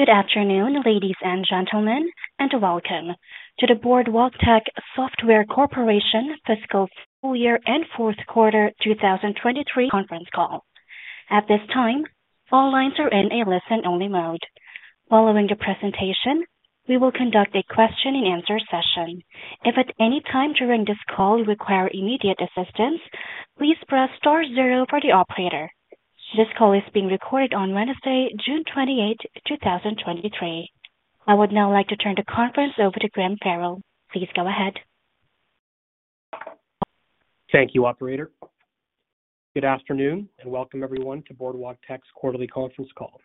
Good afternoon, ladies and gentlemen, and welcome to the Boardwalktech Software Corporation Fiscal Full Year and Q4 2023 conference call. At this time, all lines are in a listen-only mode. Following the presentation, we will conduct a question and answer session. If at any time during this call you require immediate assistance, please press star 0 for the operator. This call is being recorded on Wednesday, June 28, 2023. I would now like to turn the conference over to Graham Farrell. Please go ahead. Thank you, operator. Good afternoon, and welcome everyone to Boardwalktech's quarterly conference call.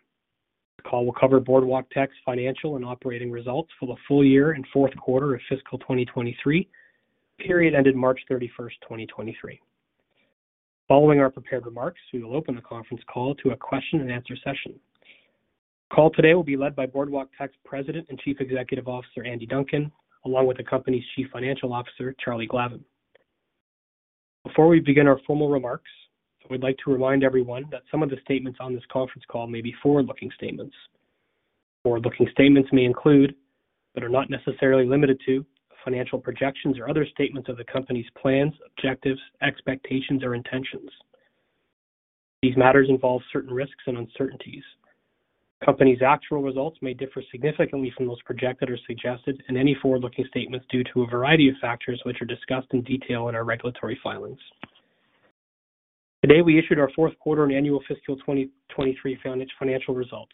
The call will cover Boardwalktech's financial and operating results for the full year and Q4 of fiscal 2023, period ended 31 March 2023. Following our prepared remarks, we will open the conference call to a question and answer session. The call today will be led by Boardwalktech's President and Chief Executive Officer, Andy Duncan, along with the company's Chief Financial Officer, Charlie Glavin. Before we begin our formal remarks, I would like to remind everyone that some of the statements on this conference call may be forward-looking statements. Forward-looking statements may include, but are not necessarily limited to, financial projections or other statements of the company's plans, objectives, expectations, or intentions. These matters involve certain risks and uncertainties. The company's actual results may differ significantly from those projected or suggested in any forward-looking statements due to a variety of factors, which are discussed in detail in our regulatory filings. Today, we issued our Q4 and annual fiscal 2023 financial results,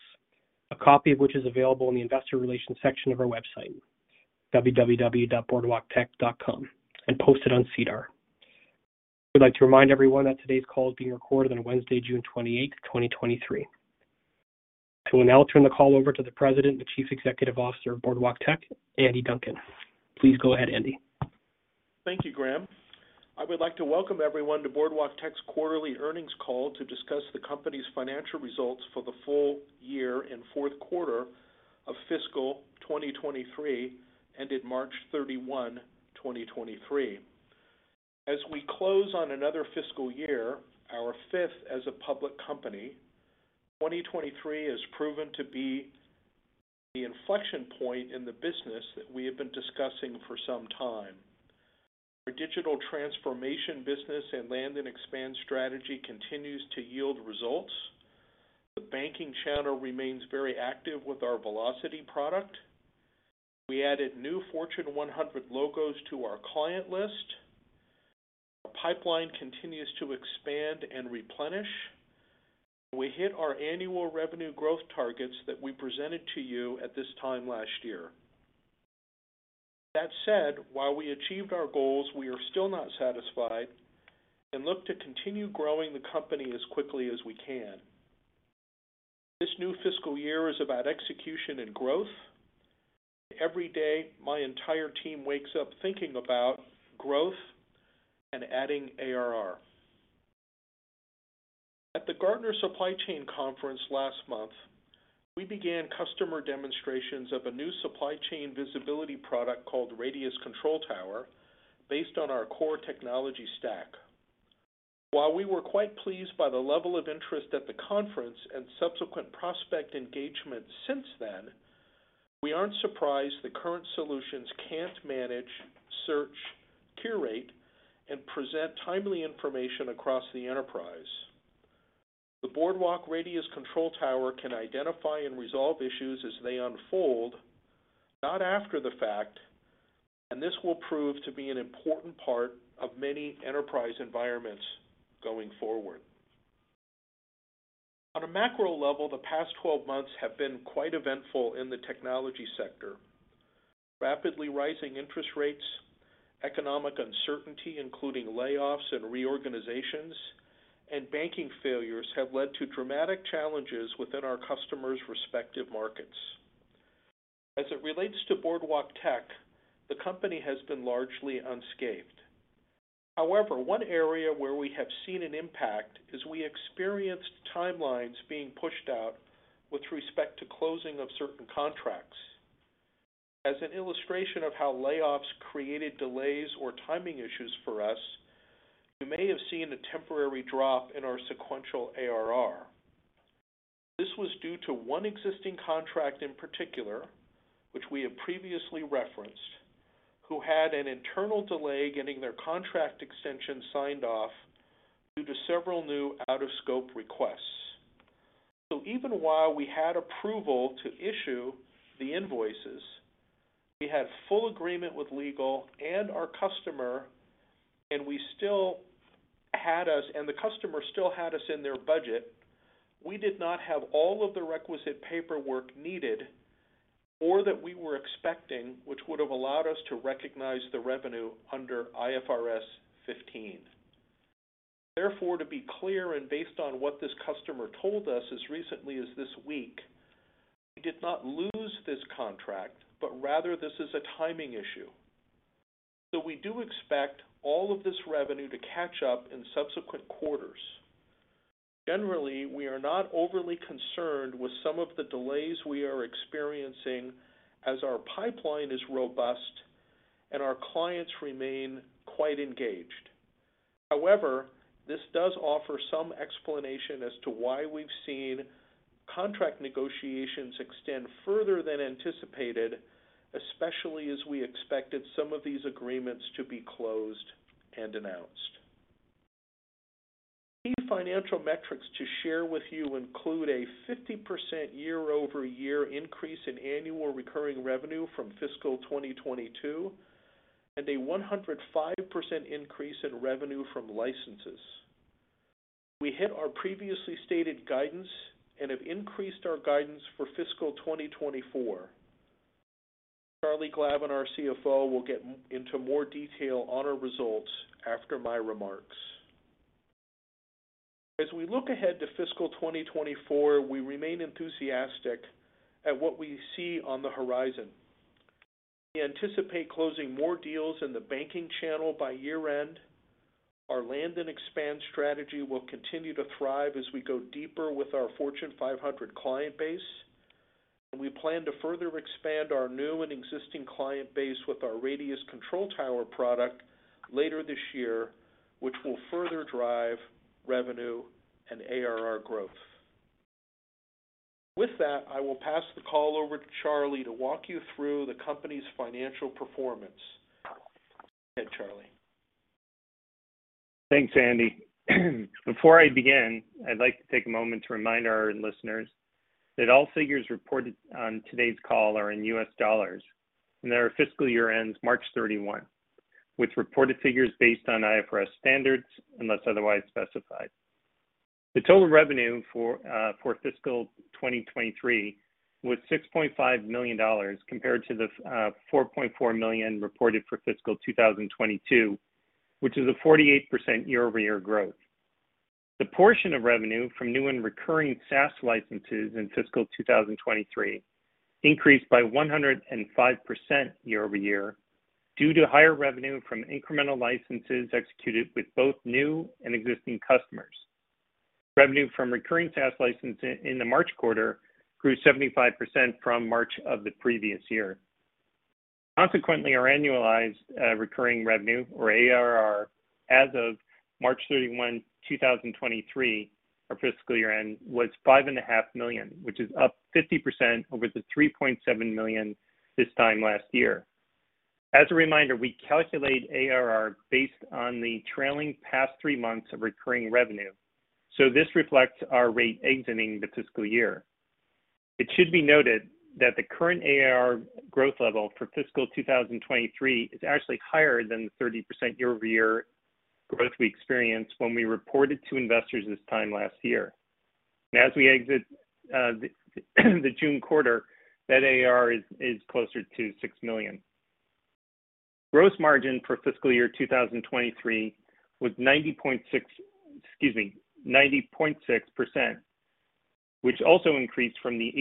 a copy of which is available in the investor relations section of our website, www.boardwalktech.com, and posted on SEDAR. We'd like to remind everyone that today's call is being recorded on Wednesday, 28 June 2023. I will now turn the call over to the President and Chief Executive Officer of Boardwalktech, Andy Duncan. Please go ahead, Andy. Thank you, Graham. I would like to welcome everyone to Boardwalktech's quarterly earnings call to discuss the company's financial results for the full year and Q4 of fiscal 2023, ended 31 March 2023. As we close on another fiscal year, our fifth as a public company, 2023 has proven to be the inflection point in the business that we have been discussing for some time. Our digital transformation business and land and expand strategy continues to yield results. The banking channel remains very active with our Velocity product. We added new Fortune 100 logos to our client list. Our pipeline continues to expand and replenish, we hit our annual revenue growth targets that we presented to you at this time last year. That said, while we achieved our goals, we are still not satisfied and look to continue growing the company as quickly as we can. This new fiscal year is about execution and growth. Every day, my entire team wakes up thinking about growth and adding ARR. At the Gartner Supply Chain Conference last month, we began customer demonstrations of a new supply chain visibility product called Radius Control Tower, based on our core technology stack. While we were quite pleased by the level of interest at the conference and subsequent prospect engagement since then, we aren't surprised that current solutions can't manage, search, curate, and present timely information across the enterprise. The Boardwalk Radius Control Tower can identify and resolve issues as they unfold, not after the fact, and this will prove to be an important part of many enterprise environments going forward. On a macro level, the past 12 months have been quite eventful in the technology sector. Rapidly rising interest rates, economic uncertainty, including layoffs and reorganizations, and banking failures, have led to dramatic challenges within our customers' respective markets. As it relates to Boardwalktech, the company has been largely unscathed. One area where we have seen an impact is we experienced timelines being pushed out with respect to closing of certain contracts. As an illustration of how layoffs created delays or timing issues for us, you may have seen a temporary drop in our sequential ARR. This was due to one existing contract in particular, which we have previously referenced, who had an internal delay getting their contract extension signed off due to several new out-of-scope requests. Even while we had approval to issue the invoices, we had full agreement with legal and our customer, and the customer still had us in their budget, we did not have all of the requisite paperwork needed or that we were expecting, which would have allowed us to recognize the revenue under IFRS 15. Therefore, to be clear and based on what this customer told us as recently as this week, we did not lose this contract, but rather this is a timing issue. We do expect all of this revenue to catch up in subsequent quarters. Generally, we are not overly concerned with some of the delays we are experiencing as our pipeline is robust and our clients remain quite engaged. This does offer some explanation as to why we've seen contract negotiations extend further than anticipated, especially as we expected some of these agreements to be closed and announced. Key financial metrics to share with you include a 50% year-over-year increase in annual recurring revenue from fiscal 2022, and a 105% increase in revenue from licenses. We hit our previously stated guidance and have increased our guidance for fiscal 2024. Charlie Glavin, our CFO, will get into more detail on our results after my remarks. We look ahead to fiscal 2024, we remain enthusiastic at what we see on the horizon. We anticipate closing more deals in the banking channel by year-end. Our land and expand strategy will continue to thrive as we go deeper with our Fortune 500 client base, and we plan to further expand our new and existing client base with our Radius Control Tower product later this year, which will further drive revenue and ARR growth. With that, I will pass the call over to Charlie to walk you through the company's financial performance. Go ahead, Charlie. Thanks, Andy. Before I begin, I'd like to take a moment to remind our listeners that all figures reported on today's call are in US dollars, and our fiscal year ends 31 March, with reported figures based on IFRS standards unless otherwise specified. The total revenue for fiscal 2023 was $6.5 million, compared to the $4.4 million reported for fiscal 2022, which is a 48% year-over-year growth. The portion of revenue from new and recurring SaaS licenses in fiscal 2023 increased by 105% year-over-year, due to higher revenue from incremental licenses executed with both new and existing customers. Revenue from recurring SaaS licenses in the March quarter grew 75% from March of the previous year. Consequently, our annualized recurring revenue, or ARR, as of 31 March 2023, our fiscal year-end, was $5.5 million, which is up 50% over the $3.7 million this time last year. As a reminder, we calculate ARR based on the trailing past three months of recurring revenue, so this reflects our rate exiting the fiscal year. It should be noted that the current ARR growth level for fiscal 2023 is actually higher than the 30% year-over-year growth we experienced when we reported to investors this time last year. As we exit the June quarter, that ARR is closer to $6 million. Gross margin for fiscal year 2023 was 90.6% excuse me, 90.6%, which also increased from the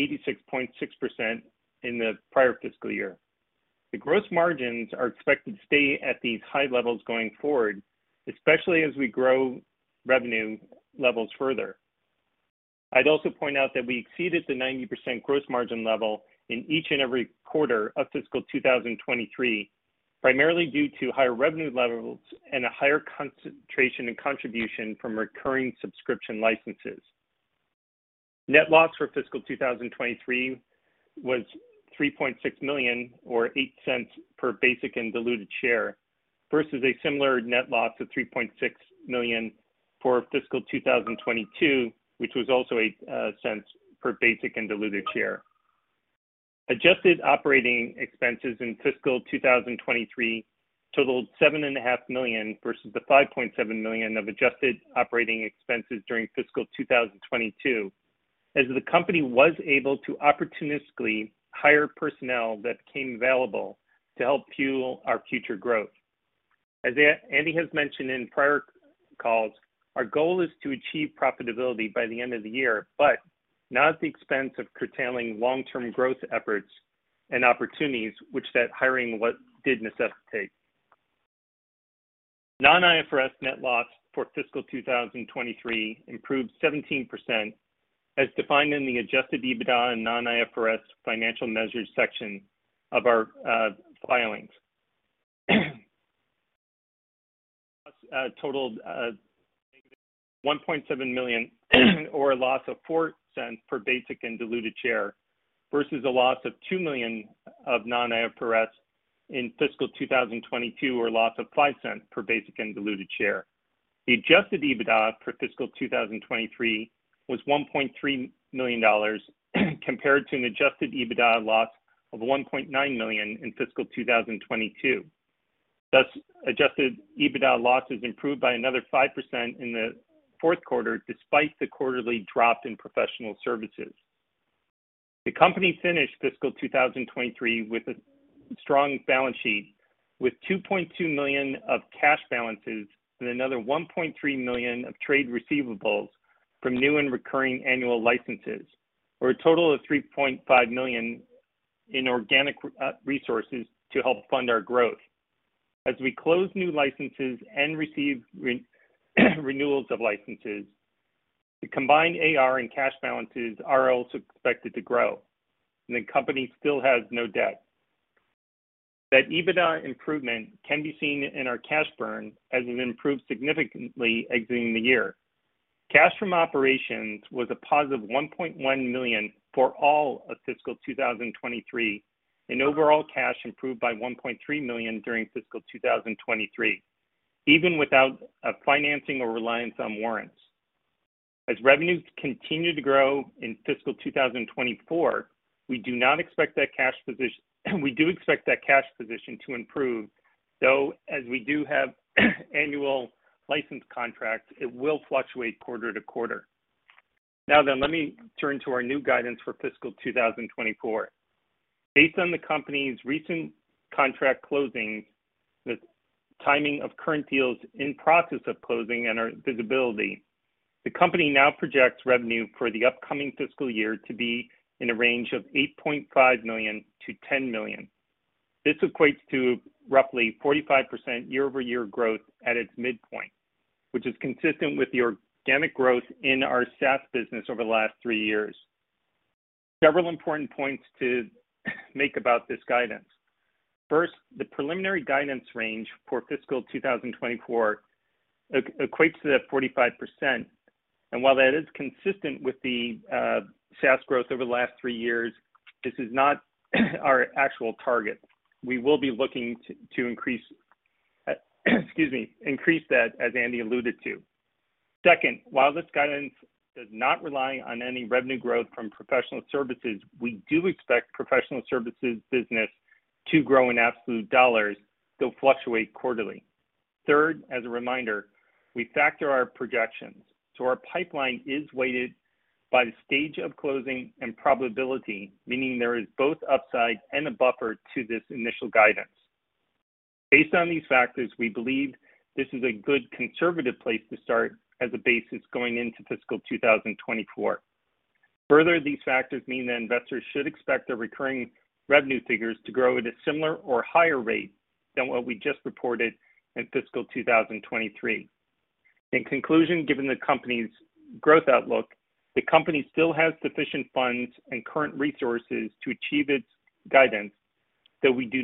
86.6% in the prior fiscal year. The gross margins are expected to stay at these high levels going forward, especially as we grow revenue levels further. I'd also point out that we exceeded the 90% gross margin level in each and every quarter of fiscal 2023, primarily due to higher revenue levels and a higher concentration and contribution from recurring subscription licenses. Net loss for fiscal 2023 was $3.6 million, or $0.08 per basic and diluted share, versus a similar net loss of $3.6 million for fiscal 2022, which was also $0.08 per basic and diluted share. Adjusted operating expenses in fiscal 2023 totaled $7.5 million versus the $5.7 million of adjusted operating expenses during fiscal 2022, as the company was able to opportunistically hire personnel that became available to help fuel our future growth. As Andy has mentioned in prior calls, our goal is to achieve profitability by the end of the year, but not at the expense of curtailing long-term growth efforts and opportunities, which that hiring what did necessitate. Non-IFRS net loss for fiscal 2023 improved 17%, as defined in the adjusted EBITDA and non-IFRS financial measures section of our filings. Totaled $1.7 million, or a loss of $0.04 per basic and diluted share, versus a loss of $2 million of non-IFRS in fiscal 2022, or a loss of $0.05 per basic and diluted share. The adjusted EBITDA for fiscal 2023 was $1.3 million, compared to an adjusted EBITDA loss of $1.9 million in fiscal 2022. Adjusted EBITDA losses improved by another 5% in the Q4, despite the quarterly drop in professional services. The company finished fiscal 2023 with a strong balance sheet, with $2.2 million of cash balances and another $1.3 million of trade receivables from new and recurring annual licenses, for a total of $3.5 million in organic resources to help fund our growth. As we close new licenses and receive renewals of licenses, the combined AR and cash balances are also expected to grow, and the company still has no debt. That EBITDA improvement can be seen in our cash burn, as we've improved significantly exiting the year. Cash from operations was a positive $1.1 million for all of fiscal 2023, and overall cash improved by $1.3 million during fiscal 2023, even without a financing or reliance on warrants. As revenues continue to grow in fiscal 2024, we do not expect that cash position, we do expect that cash position to improve, though, as we do have annual license contracts, it will fluctuate quarter-to-quarter. Let me turn to our new guidance for fiscal 2024. Based on the company's recent contract closings, the timing of current deals in process of closing and our visibility, the company now projects revenue for the upcoming fiscal year to be in a range of $8.5 million-$10 million. This equates to roughly 45% year-over-year growth at its midpoint, which is consistent with the organic growth in our SaaS business over the last three years. Several important points to make about this guidance. First, the preliminary guidance range for fiscal 2024 equates to that 45%. While that is consistent with the SaaS growth over the last three years, this is not our actual target. We will be looking to increase, excuse me, increase that, as Andy alluded to. Second, while this guidance does not rely on any revenue growth from professional services, we do expect professional services business to grow in absolute dollars, though fluctuate quarterly. Third, as a reminder, we factor our projections, so our pipeline is weighted by the stage of closing and probability, meaning there is both upside and a buffer to this initial guidance. Based on these factors, we believe this is a good conservative place to start as a basis going into fiscal 2024. Further, these factors mean that investors should expect their recurring revenue figures to grow at a similar or higher rate than what we just reported in fiscal 2023. In conclusion, given the company's growth outlook, the company still has sufficient funds and current resources to achieve its guidance, though we do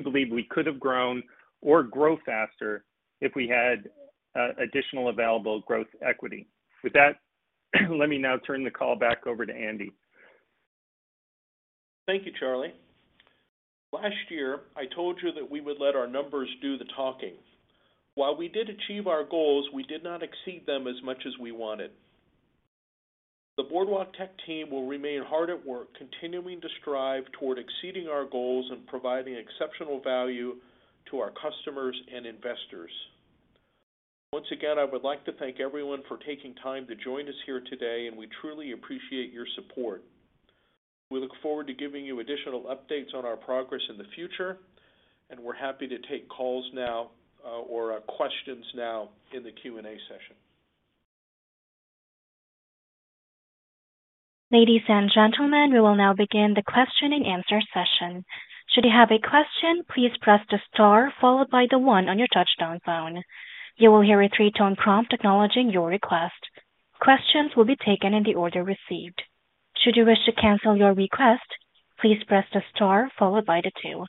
believe we could have grown or grow faster if we had additional available growth equity. With that, let me now turn the call back over to Andy. Thank you, Charlie. Last year, I told you that we would let our numbers do the talking. While we did achieve our goals, we did not exceed them as much as we wanted. The Boardwalktech team will remain hard at work, continuing to strive toward exceeding our goals and providing exceptional value to our customers and investors. Once again, I would like to thank everyone for taking time to join us here today, and we truly appreciate your support. We look forward to giving you additional updates on our progress in the future, and we're happy to take calls now, or questions now in the Q&A session. Ladies and gentlemen, we will now begin the question and answer session. Should you have a question, please press the star followed by the one on your touch-tone phone. You will hear a three-tone prompt acknowledging your request. Questions will be taken in the order received. Should you wish to cancel your request, please press the star followed by the two.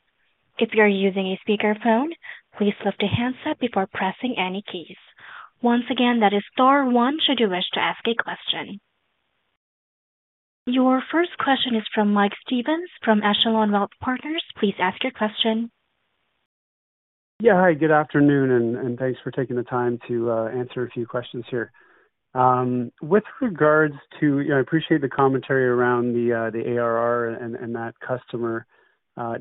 If you are using a speakerphone, please lift the handset before pressing any keys. Once again, that is star one should you wish to ask a question. Your first question is from Mike Stevens from Echelon Wealth Partners. Please ask your question. Hi, good afternoon, and thanks for taking the time to answer a few questions here. With regards to, I appreciate the commentary around the ARR and that customer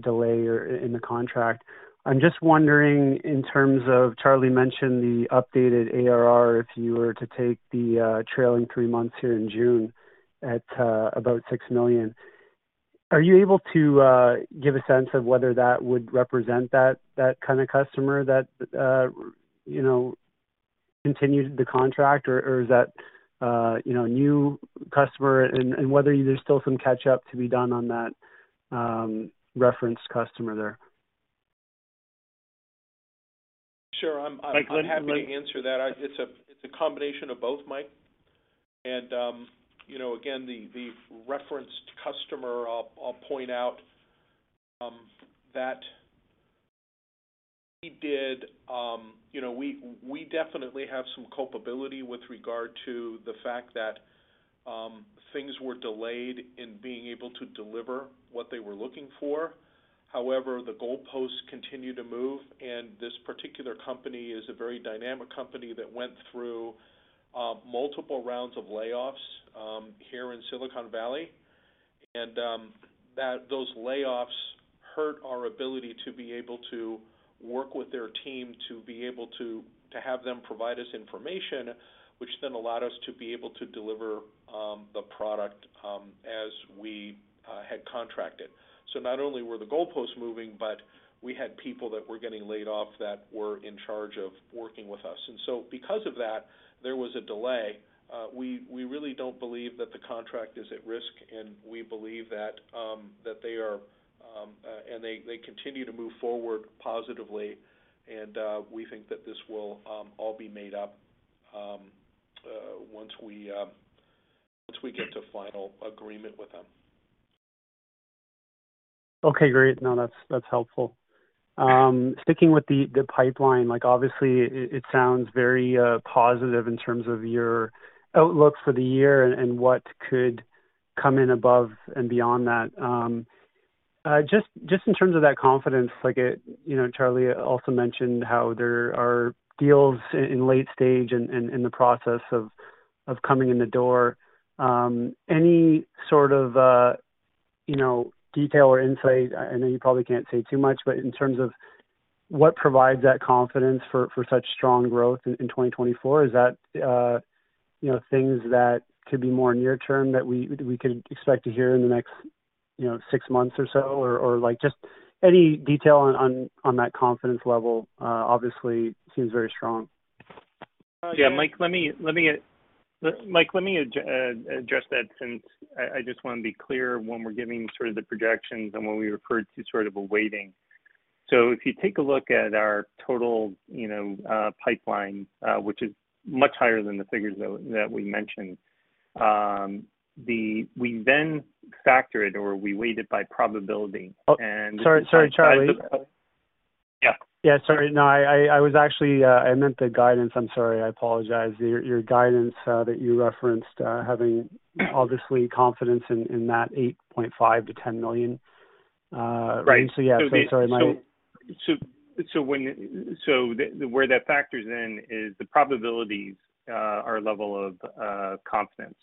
delay or in the contract. I'm just wondering, in terms of Charlie mentioned the updated ARR, if you were to take the trailing three months here in June at about $6 million, are you able to give a sense of whether that would represent that kind of customer that, you know, continued the contract, or is that, you know, a new customer, and whether there's still some catch up to be done on that referenced customer there? Sure. I'm happy to answer that. It's a combination of both, Mike. You know, again, the referenced customer, I'll point out that we did, you know, we definitely have some culpability with regard to the fact that things were delayed in being able to deliver what they were looking for. However, the goalposts continued to move, and this particular company is a very dynamic company that went through multiple rounds of layoffs here in Silicon Valley. That those layoffs hurt our ability to be able to work with their team, to be able to have them provide us information, which then allowed us to be able to deliver the product as we had contracted. Not only were the goalposts moving, but we had people that were getting laid off that were in charge of working with us. Because of that, there was a delay. We really don't believe that the contract is at risk, and we believe that they are, andthey continue to move forward positively. We think that this will all be made up once we, once we get to final agreement with them. Okay, great. No, that's helpful. Sticking with the pipeline, like, obviously, it sounds very positive in terms of your outlook for the year and what could come in above and beyond that. Just in terms of that confidence, like, it, you know, Charlie also mentioned how there are deals in late stage, in the process of coming in the door. Any sort of, you know, detail or insight, I know you probably can't say too much, but in terms of what provides that confidence for such strong growth in 2024, is that, you know, things that could be more near term that we could expect to hear in the next, you know, 6 months or so? Like just any detail on that confidence level, obviously seems very strong. Yeah, Mike, let me address that since I just wanna be clear when we're giving sort of the projections and when we refer to sort of a weighting. If you take a look at our total, you know, pipeline, which is much higher than the figures that we mentioned, we then factor it or we weight it by probability. Oh, sorry, Charlie. Yeah. Sorry. No, I was actually I meant the guidance. I'm sorry. I apologize. Your guidance that you referenced having obviously confidence in that $8.5 million-$10 million. Right. Yeah, so sorry, Mike. Where that factors in is the probabilities are level of confidence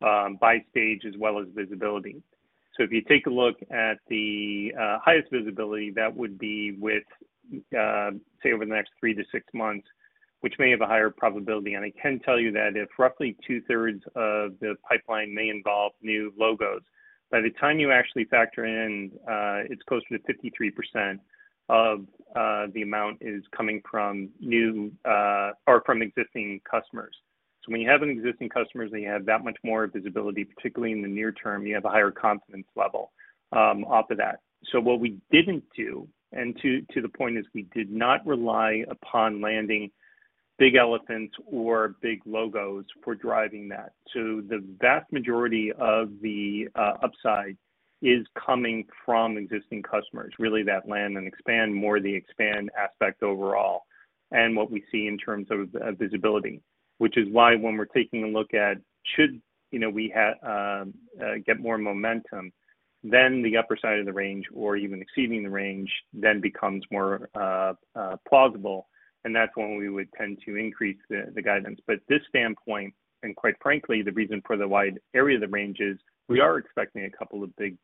by stage as well as visibility. If you take a look at the highest visibility, that would be with, say, over the next three to six months, which may have a higher probability. I can tell you that if roughly two-thirds of the pipeline may involve new logos, by the time you actually factor in, it's closer to 53% of the amount is coming from new or from existing customers. When you have an existing customers and you have that much more visibility, particularly in the near term, you have a higher confidence level off of that. What we didn't do, and to the point is we did not rely upon landing big elephants or big logos for driving that. The vast majority of the upside is coming from existing customers, really, that land and expand, more the expand aspect overall, and what we see in terms of visibility. Which is why when we're taking a look at should, you know, we have get more momentum, then the upper side of the range or even exceeding the range, then becomes more plausible, and that's when we would tend to increase the guidance. This standpoint, and quite frankly, the reason for the wide area of the range is we are expecting a couple of big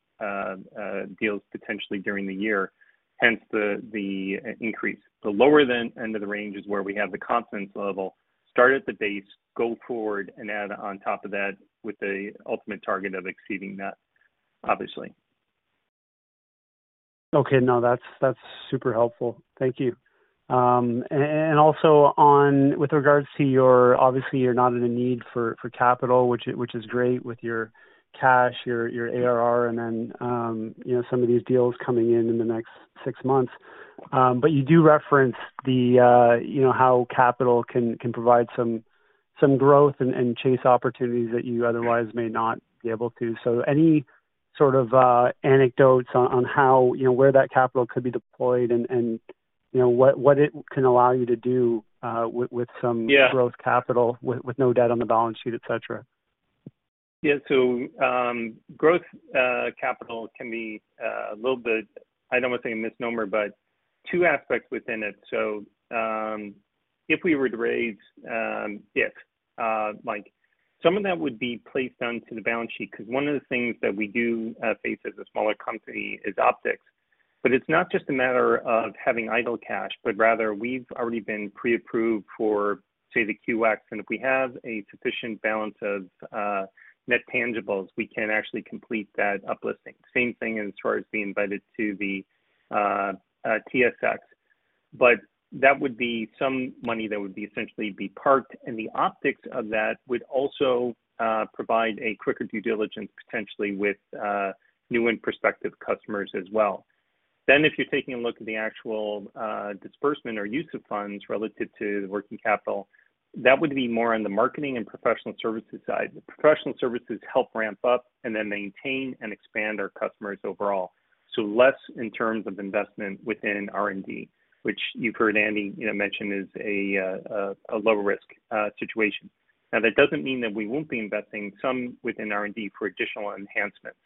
deals potentially during the year, hence the increase. The lower then end of the range is where we have the confidence level, start at the base, go forward, and add on top of that with the ultimate target of exceeding that, obviously. Okay. No, that's super helpful. Thank you. Also on with regards to your, obviously, you're not in a need for capital, which is great with your cash, your ARR, and then, you know, some of these deals coming in in the next six months. You do reference the, you know, how capital can provide some growth and chase opportunities that you otherwise may not be able to. Any sort of anecdotes on how, you know, where that capital could be deployed and you know, what it can allow you to do with? Yeah Growth capital, with no debt on the balance sheet, et cetera? Growth capital can be a little bit, I don't want to say a misnomer, but two aspects within it. If we were to raise, like some of that would be placed onto the balance sheet, because one of the things that we do face as a smaller company is optics. It's not just a matter of having idle cash, but rather we've already been pre-approved for, say, the OTCQX, and if we have a sufficient balance of net tangibles, we can actually complete that uplisting. Same thing as far as being invited to the TSX, but that would be some money that would be essentially be parked, and the optics of that would also provide a quicker due diligence, potentially with new and prospective customers as well. If you're taking a look at the actual disbursement or use of funds relative to the working capital, that would be more on the marketing and professional services side. The professional services help ramp up and then maintain and expand our customers overall, so less in terms of investment within R&D, which you've heard Andy, you know, mention is a low risk situation. Now, that doesn't mean that we won't be investing some within R&D for additional enhancements.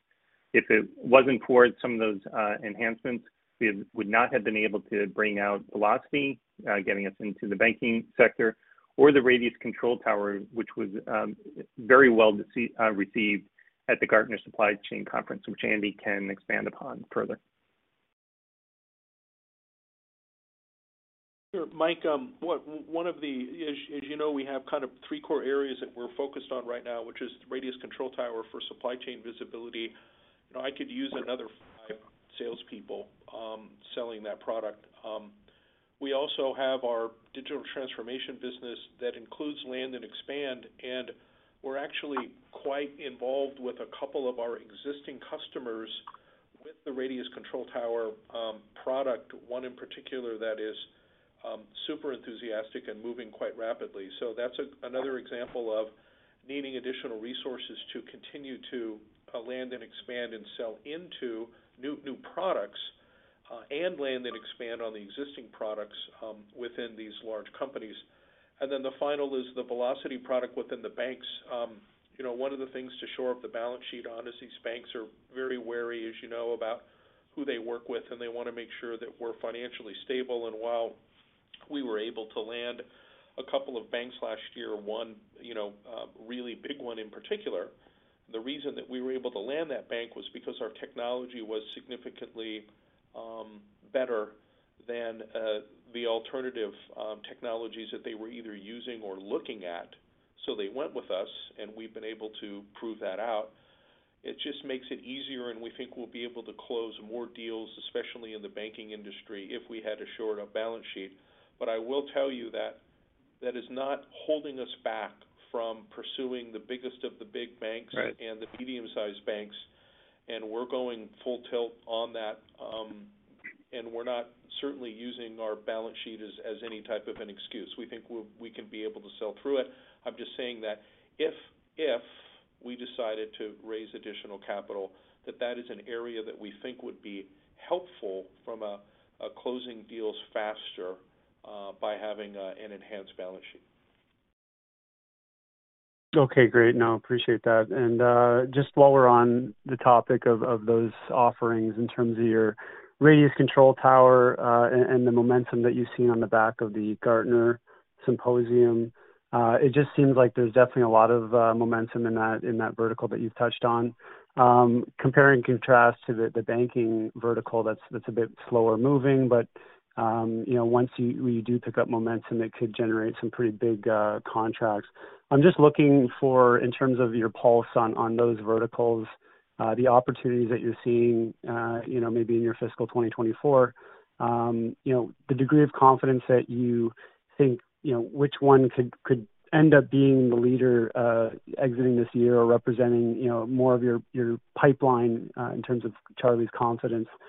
If it wasn't for some of those enhancements, we would not have been able to bring out Velocity, getting us into the banking sector or the Radius Control Tower, which was very well received at the Gartner Supply Chain Conference, which Andy can expand upon further. Sure. Mike, As you know, we have kind of three core areas that we're focused on right now, which is Radius Control Tower for supply chain visibility. You know, I could use another five salespeople selling that product. We also have our digital transformation business that includes land and expand, and we're actually quite involved with a couple of our existing customers the Radius Control Tower product, one in particular that is super enthusiastic and moving quite rapidly. That's another example of needing additional resources to continue to land and expand and sell into new products and land and expand on the existing products within these large companies. Then the final is the Velocity product within the banks. you know, one of the things to shore up the balance sheet, honestly, these banks are very wary, as you know, about who they work with, and they want to make sure that we're financially stable. While we were able to land a couple of banks last year, one, you know, really big one in particular, the reason that we were able to land that bank was because our technology was significantly better than the alternative technologies that they were either using or looking at. They went with us, and we've been able to prove that out. It just makes it easier, and we think we'll be able to close more deals, especially in the banking industry, if we had to shore up the balance sheet. I will tell you that that is not holding us back from pursuing the biggest of the big banks. Right The medium-sized banks, and we're going full tilt on that, and we're not certainly using our balance sheet as any type of an excuse. We think we can be able to sell through it. I'm just saying that if we decided to raise additional capital, that is an area that we think would be helpful from a closing deals faster, by having, an enhanced balance sheet. Okay, great. No, appreciate that. Just while we're on the topic of those offerings in terms of your Radius Control Tower, and the momentum that you've seen on the back of the Gartner Symposium, it just seems like there's definitely a lot of momentum in that vertical that you've touched on. Compare and contrast to the banking vertical that's a bit slower moving, but, you know, once you do pick up momentum, it could generate some pretty big contracts. I'm just looking for, in terms of your pulse on those verticals, the opportunities that you're seeing, you know, maybe in your fiscal 2024. you know, the degree of confidence that you think, you know, which one could end up being the leader, exiting this year or representing, you know, more of your pipeline, in terms of Charlie's confidence references. Yeah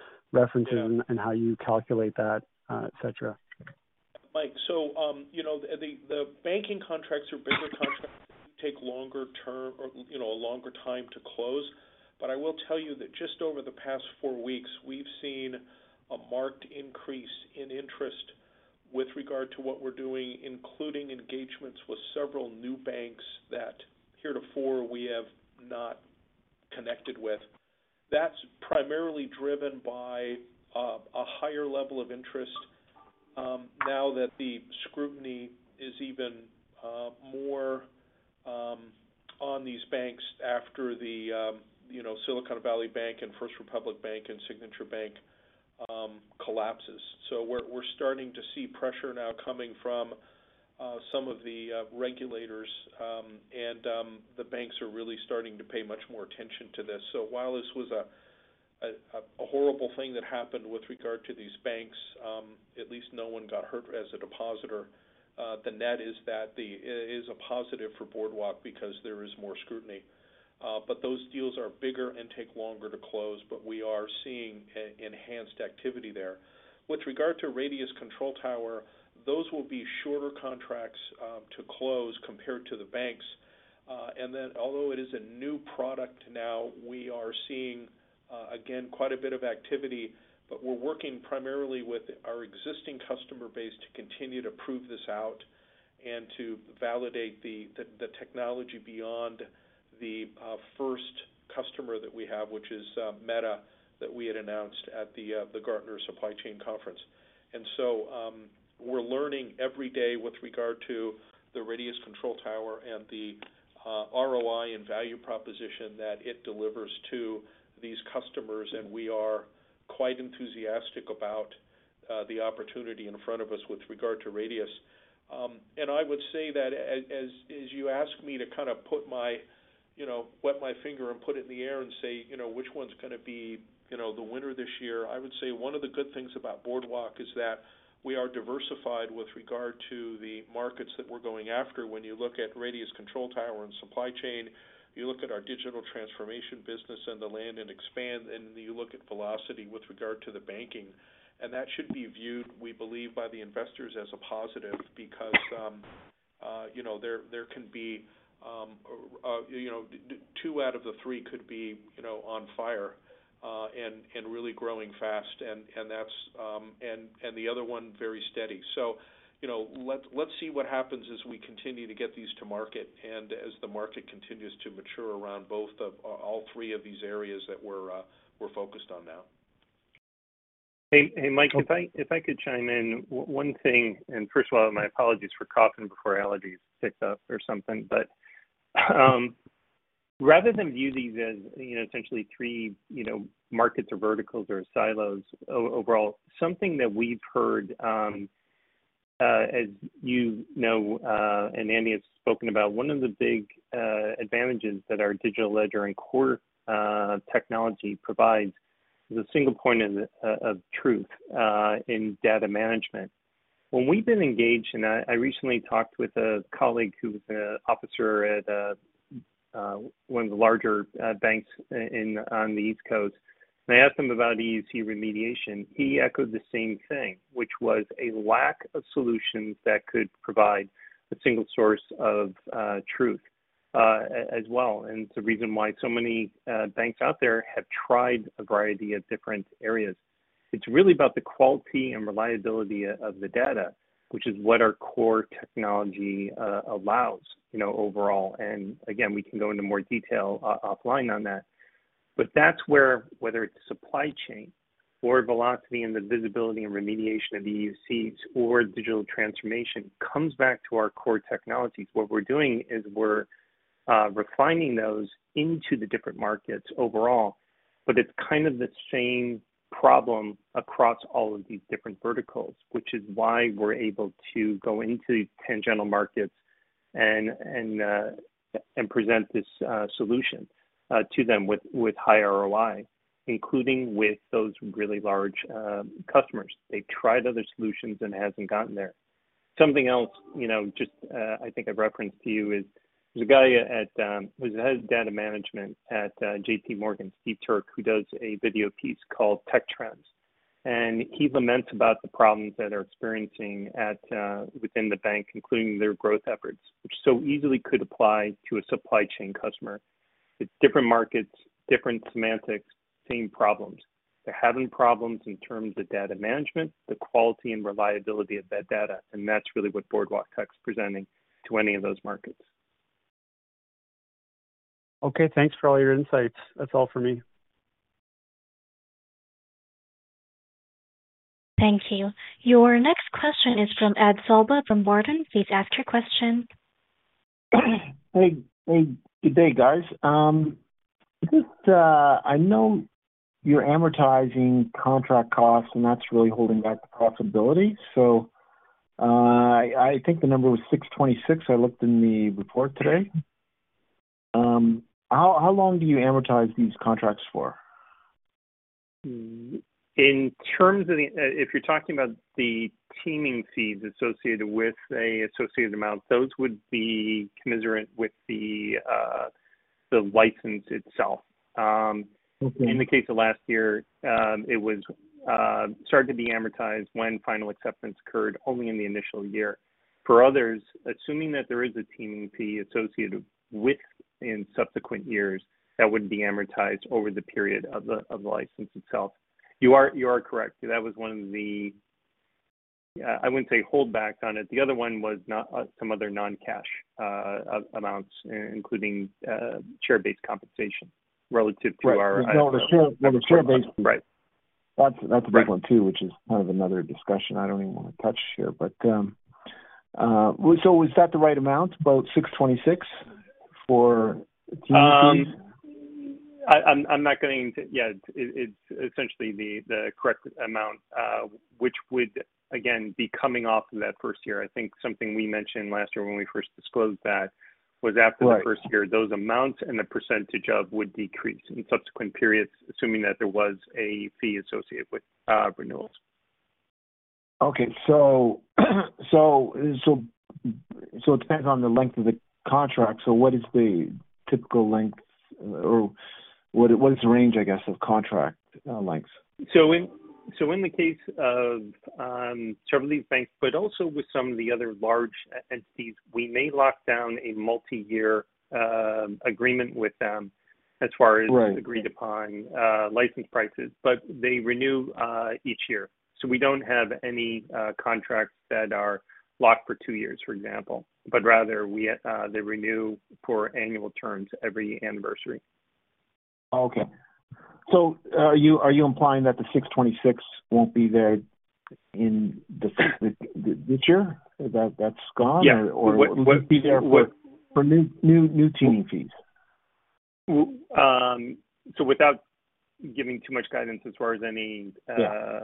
and how you calculate that, et cetera. Mike, you know, the banking contracts are bigger contracts take longer term or, you know, a longer time to close. I will tell you that just over the past four weeks, we've seen a marked increase in interest with regard to what we're doing, including engagements with several new banks that heretofore we have not connected with. That's primarily driven by a higher level of interest, now that the scrutiny is even more on these banks after the, you know, Silicon Valley Bank and First Republic Bank and Signature Bank collapses. We're starting to see pressure now coming from some of the regulators, and the banks are really starting to pay much more attention to this. While this was a horrible thing that happened with regard to these banks, at least no one got hurt as a depositor. The net is that it is a positive for Boardwalktech because there is more scrutiny. Those deals are bigger and take longer to close, but we are seeing enhanced activity there. With regard to Radius Control Tower, those will be shorter contracts to close compared to the banks. Although it is a new product now, we are seeing again quite a bit of activity, but we're working primarily with our existing customer base to continue to prove this out and to validate the technology beyond the first customer that we have, which is Meta, that we had announced at the Gartner Supply Chain Conference. We're learning every day with regard to the Radius Control Tower and the ROI and value proposition that it delivers to these customers, and we are quite enthusiastic about the opportunity in front of us with regard to Radius. I would say that as you ask me to kind of put my, you know, wet my finger and put it in the air and say, you know, which one's gonna be, you know, the winner this year, I would say one of the good things about Boardwalk is that we are diversified with regard to the markets that we're going after. When you look at Radius Control Tower and supply chain, you look at our digital transformation business and the land and expand, and you look at Velocity with regard to the banking. That should be viewed, we believe, by the investors as a positive, because, you know, there can be, you know, two out of the three could be, you know, on fire, and really growing fast, and that's. And the other one, very steady. You know, let's see what happens as we continue to get these to market and as the market continues to mature around all three of these areas that we're focused on now. Hey Mike- If I, if I could chime in. One thing, first of all, my apologies for coughing before, allergies picked up or something, but, rather than view these as, you know, essentially three, you know, markets or verticals or silos overall, something that we've heard, as you know, and Andy has spoken about, one of the big advantages that our digital ledger and core technology provides is a single point of truth in data management. When we've been engaged, I recently talked with a colleague who was an officer at one of the larger banks in, on the East Coast, and I asked him about EUC remediation. He echoed the same thing, which was a lack of solutions that could provide a single source of truth as well. It's the reason why so many banks out there have tried a variety of different areas. It's really about the quality and reliability of the data, which is what our core technology allows, you know, overall. Again, we can go into more detail offline on that. That's where, whether it's supply chain or Velocity and the visibility and remediation of EUCs or digital transformation, comes back to our core technologies. What we're doing is we're refining those into the different markets overall, but it's kind of the same problem across all of these different verticals, which is why we're able to go into these tangential markets and present this solution to them with high ROI, including with those really large customers. They've tried other solutions and hasn't gotten there. Something else, you know, just I think I've referenced to you is, there's a guy who heads data management at JPMorgan, Steve Turk, who does a video piece called Tech Trends, and he laments about the problems that they're experiencing within the bank, including their growth efforts, which so easily could apply to a supply chain customer. It's different markets, different semantics, same problems. They're having problems in terms of data management, the quality and reliability of that data, and that's really what Boardwalktech is presenting to any of those markets. Okay, thanks for all your insights. That's all for me. Thank you. Your next question is from Ed Silva, from Barden. Please ask your question. Hey, hey, good day, guys. I know you're amortizing contract costs, that's really holding back the profitability. I think the number was $626. I looked in the report today. How long do you amortize these contracts for? In terms of the, if you're talking about the teaming fees associated with a associated amount, those would be commensurate with the license itself. Okay. In the case of last year, it was started to be amortized when final acceptance occurred only in the initial year. For others, assuming that there is a teaming fee associated with in subsequent years, that would be amortized over the period of the license itself. You are correct. That was one of the, I wouldn't say hold back on it. The other one was not some other non-cash amounts, including share-based compensation relative to our- Right. The share base. Right. That's a big one, too, which is kind of another discussion I don't even want to touch here. Is that the right amount, about $626, for teaming fees? Yeah, it's essentially the correct amount, which would again, be coming off of that first year. I think something we mentioned last year when we first disclosed that, was after- Right the first year, those amounts and the percentage of would decrease in subsequent periods, assuming that there was a fee associated with renewals. Okay, it depends on the length of the contract. What is the typical length, or what is the range, I guess, of contract lengths? In the case of, certainly banks, but also with some of the other large entities, we may lock down a multiyear agreement with them as far as- Right the agreed upon license prices. They renew each year. We don't have any contracts that are locked for 2 years, for example, but rather we, they renew for annual terms every anniversary. Okay. Are you implying that the $626 won't be there in the this year? That's gone? Yeah. Will it be there for new teaming fees? Without giving too much guidance as far as any Yeah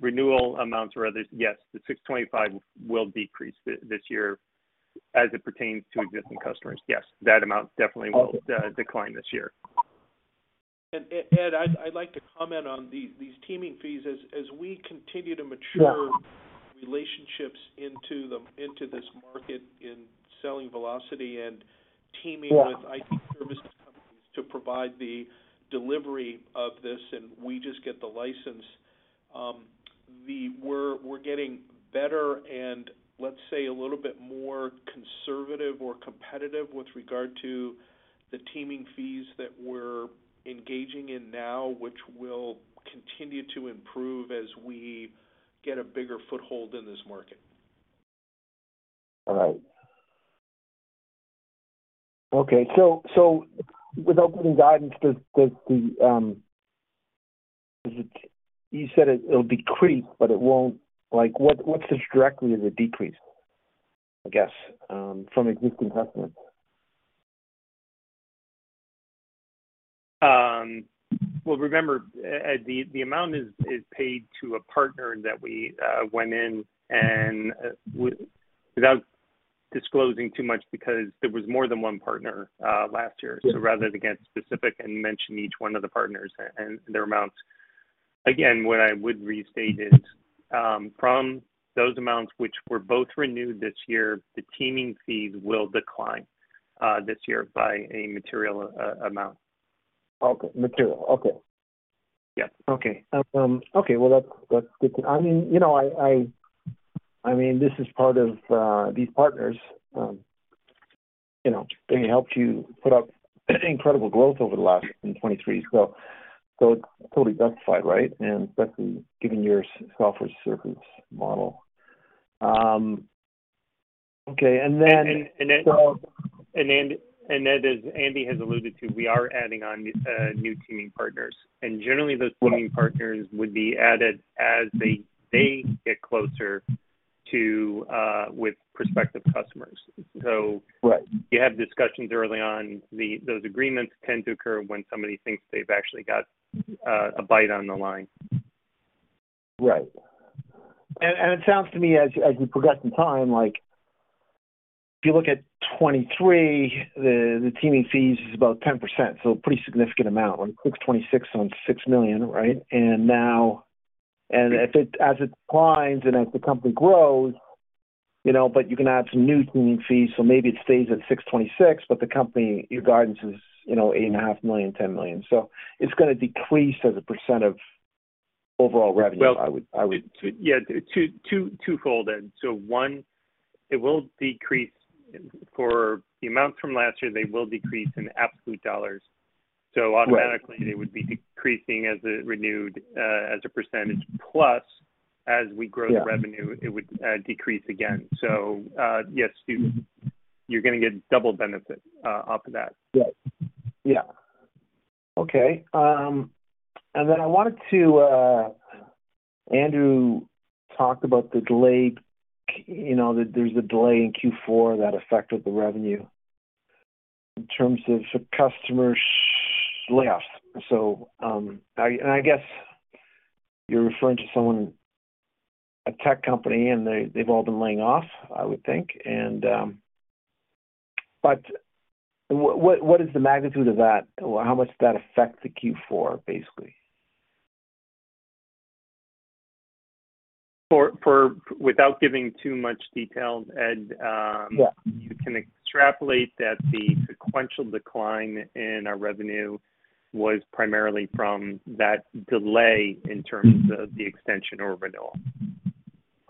renewal amounts or others, yes, the $625 will decrease this year as it pertains to existing customers. Yes, that amount definitely will decline this year. Ed, I'd like to comment on these teaming fees. As we continue to mature, Yeah relationships into the, into this market in selling Velocity and teaming Yeah with IT services companies to provide the delivery of this, and we just get the license. We're getting better and let's say, a little bit more conservative or competitive with regard to the teaming fees that we're engaging in now, which will continue to improve as we get a bigger foothold in this market. All right. Okay, without giving guidance, You said it'll decrease, but it won't, like, what's the trajectory of the decrease? I guess, from existing customers. Well, remember, Ed, the amount is paid to a partner that we went in without disclosing too much because there was more than one partner last year. Rather than get specific and mention each one of the partners and their amounts, again, what I would restate is, from those amounts which were both renewed this year, the teaming fees will decline this year by a material amount. Okay. Material. Okay. Yes. Okay, well, that's good. I mean, you know, I mean, this is part of these partners, you know, they helped you put up incredible growth over the last in 2023. It's totally justified, right? Especially given your software as a service model. Okay, and then- And, and, Ed- Ed, as Andy has alluded to, we are adding on, new teaming partners. Generally, those teaming partners would be added as they get closer to, with prospective customers. Right. You have discussions early on. Those agreements tend to occur when somebody thinks they've actually got a bite on the line. Right. It sounds to me as we progress in time, like, if you look at 2023, the teaming fees is about 10%, so a pretty significant amount, like $6.26 million, so it's $6 million, right? Now as it declines and as the company grows, you know, you can add some new teaming fees, so maybe it stays at $6.26 million, the company, your guidance is, you know, $8.5 million, $10 million. It's gonna decrease as a percent of overall revenue. Well I would. Yeah, two, twofold, Ed. One, it will decrease. For the amount from last year, they will decrease in absolute dollars. Right. Automatically, they would be decreasing as a renewed, as a percentage, plus, as we grow Yeah the revenue, it would decrease again. Yes, you're gonna get double benefit off of that. Right. Yeah. Okay, then I wanted to, Andrew talked about the delay, you know, that there's a delay in Q4 that affected the revenue in terms of customer layoffs. I, and I guess you're referring to someone, a tech company, and they've all been laying off, I would think. What is the magnitude of that? How much does that affect the Q4, basically? For without giving too much detail, Ed. Yeah you can extrapolate that the sequential decline in our revenue was primarily from that delay in terms of the extension or renewal.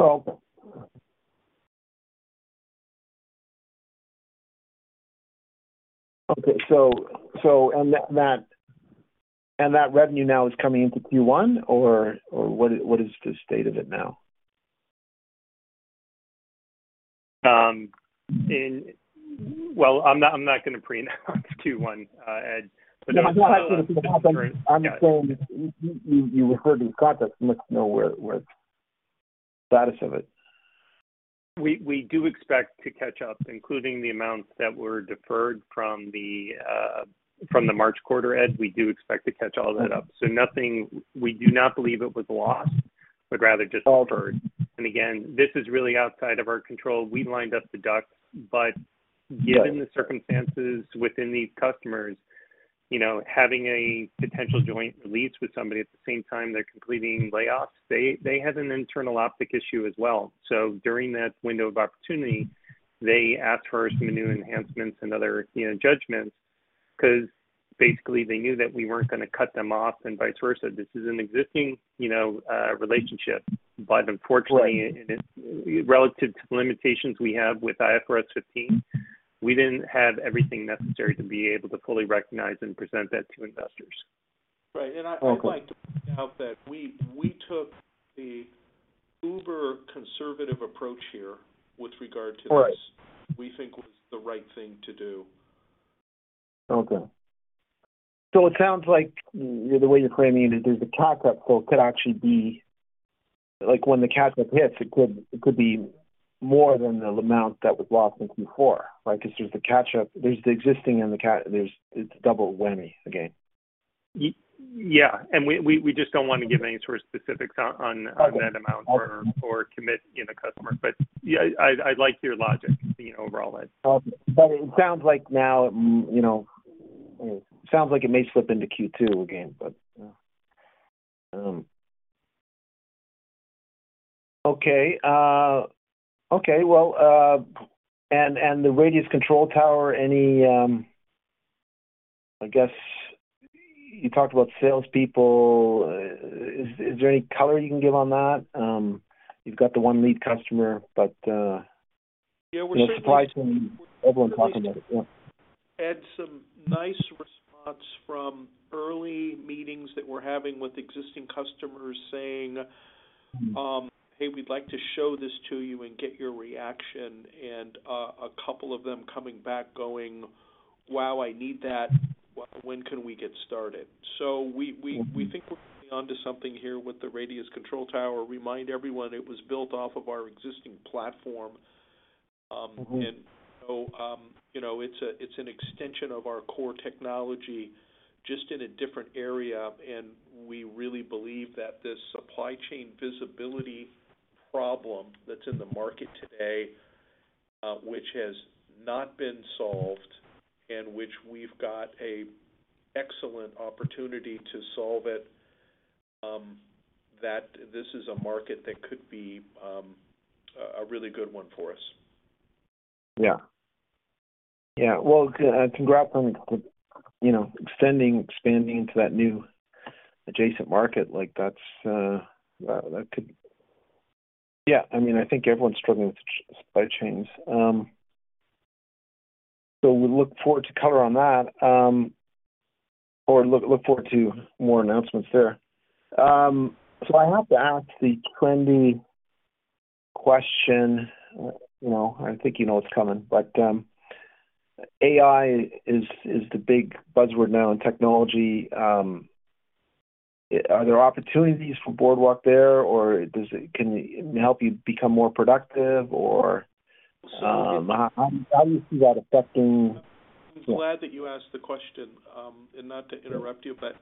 Okay. That revenue now is coming into Q1, or what is the state of it now? I'm not going to preannounce Q1, Ed. I'm saying you referred to the contract, you must know where status of it. We do expect to catch up, including the amounts that were deferred from the March quarter, Ed. We do expect to catch all that up. We do not believe it was lost, but rather just deferred. Okay. Again, this is really outside of our control. We lined up the dots. Right Given the circumstances within these customers, you know, having a potential joint leads with somebody at the same time they're completing layoffs, they had an internal optic issue as well. During that window of opportunity, they asked for some new enhancements and other, you know, judgments, 'cause basically they knew that we weren't gonna cut them off and vice versa. This is an existing, you know, relationship. Right. Unfortunately, relative to the limitations we have with IFRS 15, we didn't have everything necessary to be able to fully recognize and present that to investors. Right. I'd like to point out that we took the uber conservative approach here with regard to this. Right. We think was the right thing to do. Okay. it sounds like the way you're framing it, there's a catch-up, so it could actually be, like, when the catch-up hits, it could be more than the amount that was lost in Q4, right? there's the catch-up, there's the existing and there's, it's a double whammy again. Yeah, we just don't want to give any sort of specifics on that amount or commit in the customer. Yeah, I like your logic, you know, overall, Ed. It sounds like now, you know, it sounds like it may slip into Q2 again, but. Okay, well, and the Radius Control Tower, any, I guess you talked about salespeople? Is there any color you can give on that? You've got the one lead customer, but, yeah, we're surprised when everyone talking about it. Add some nice response from early meetings that we're having with existing customers saying, "Hey, we'd like to show this to you and get your reaction," and a couple of them coming back, going, "Wow, I need that. When can we get started?" We think we're onto something here with the Radius Control Tower. Remind everyone it was built off of our existing platform. Mm-hmm. You know, it's an extension of our core technology, just in a different area, and we really believe that this supply chain visibility problem that's in the market today, which has not been solved and which we've got a excellent opportunity to solve it, that this is a market that could be a really good one for us. Yeah. Yeah, well, congrats on, you know, expanding into that new adjacent market. Yeah, I mean, I think everyone's struggling with supply chains. We look forward to color on that, or look forward to more announcements there. I have to ask the trendy question. You know, I think you know what's coming, but AI is the big buzzword now in technology. Are there opportunities for Boardwalktech there, or can it help you become more productive? Or, how do you see that affecting? I'm glad that you asked the question. Not to interrupt you, but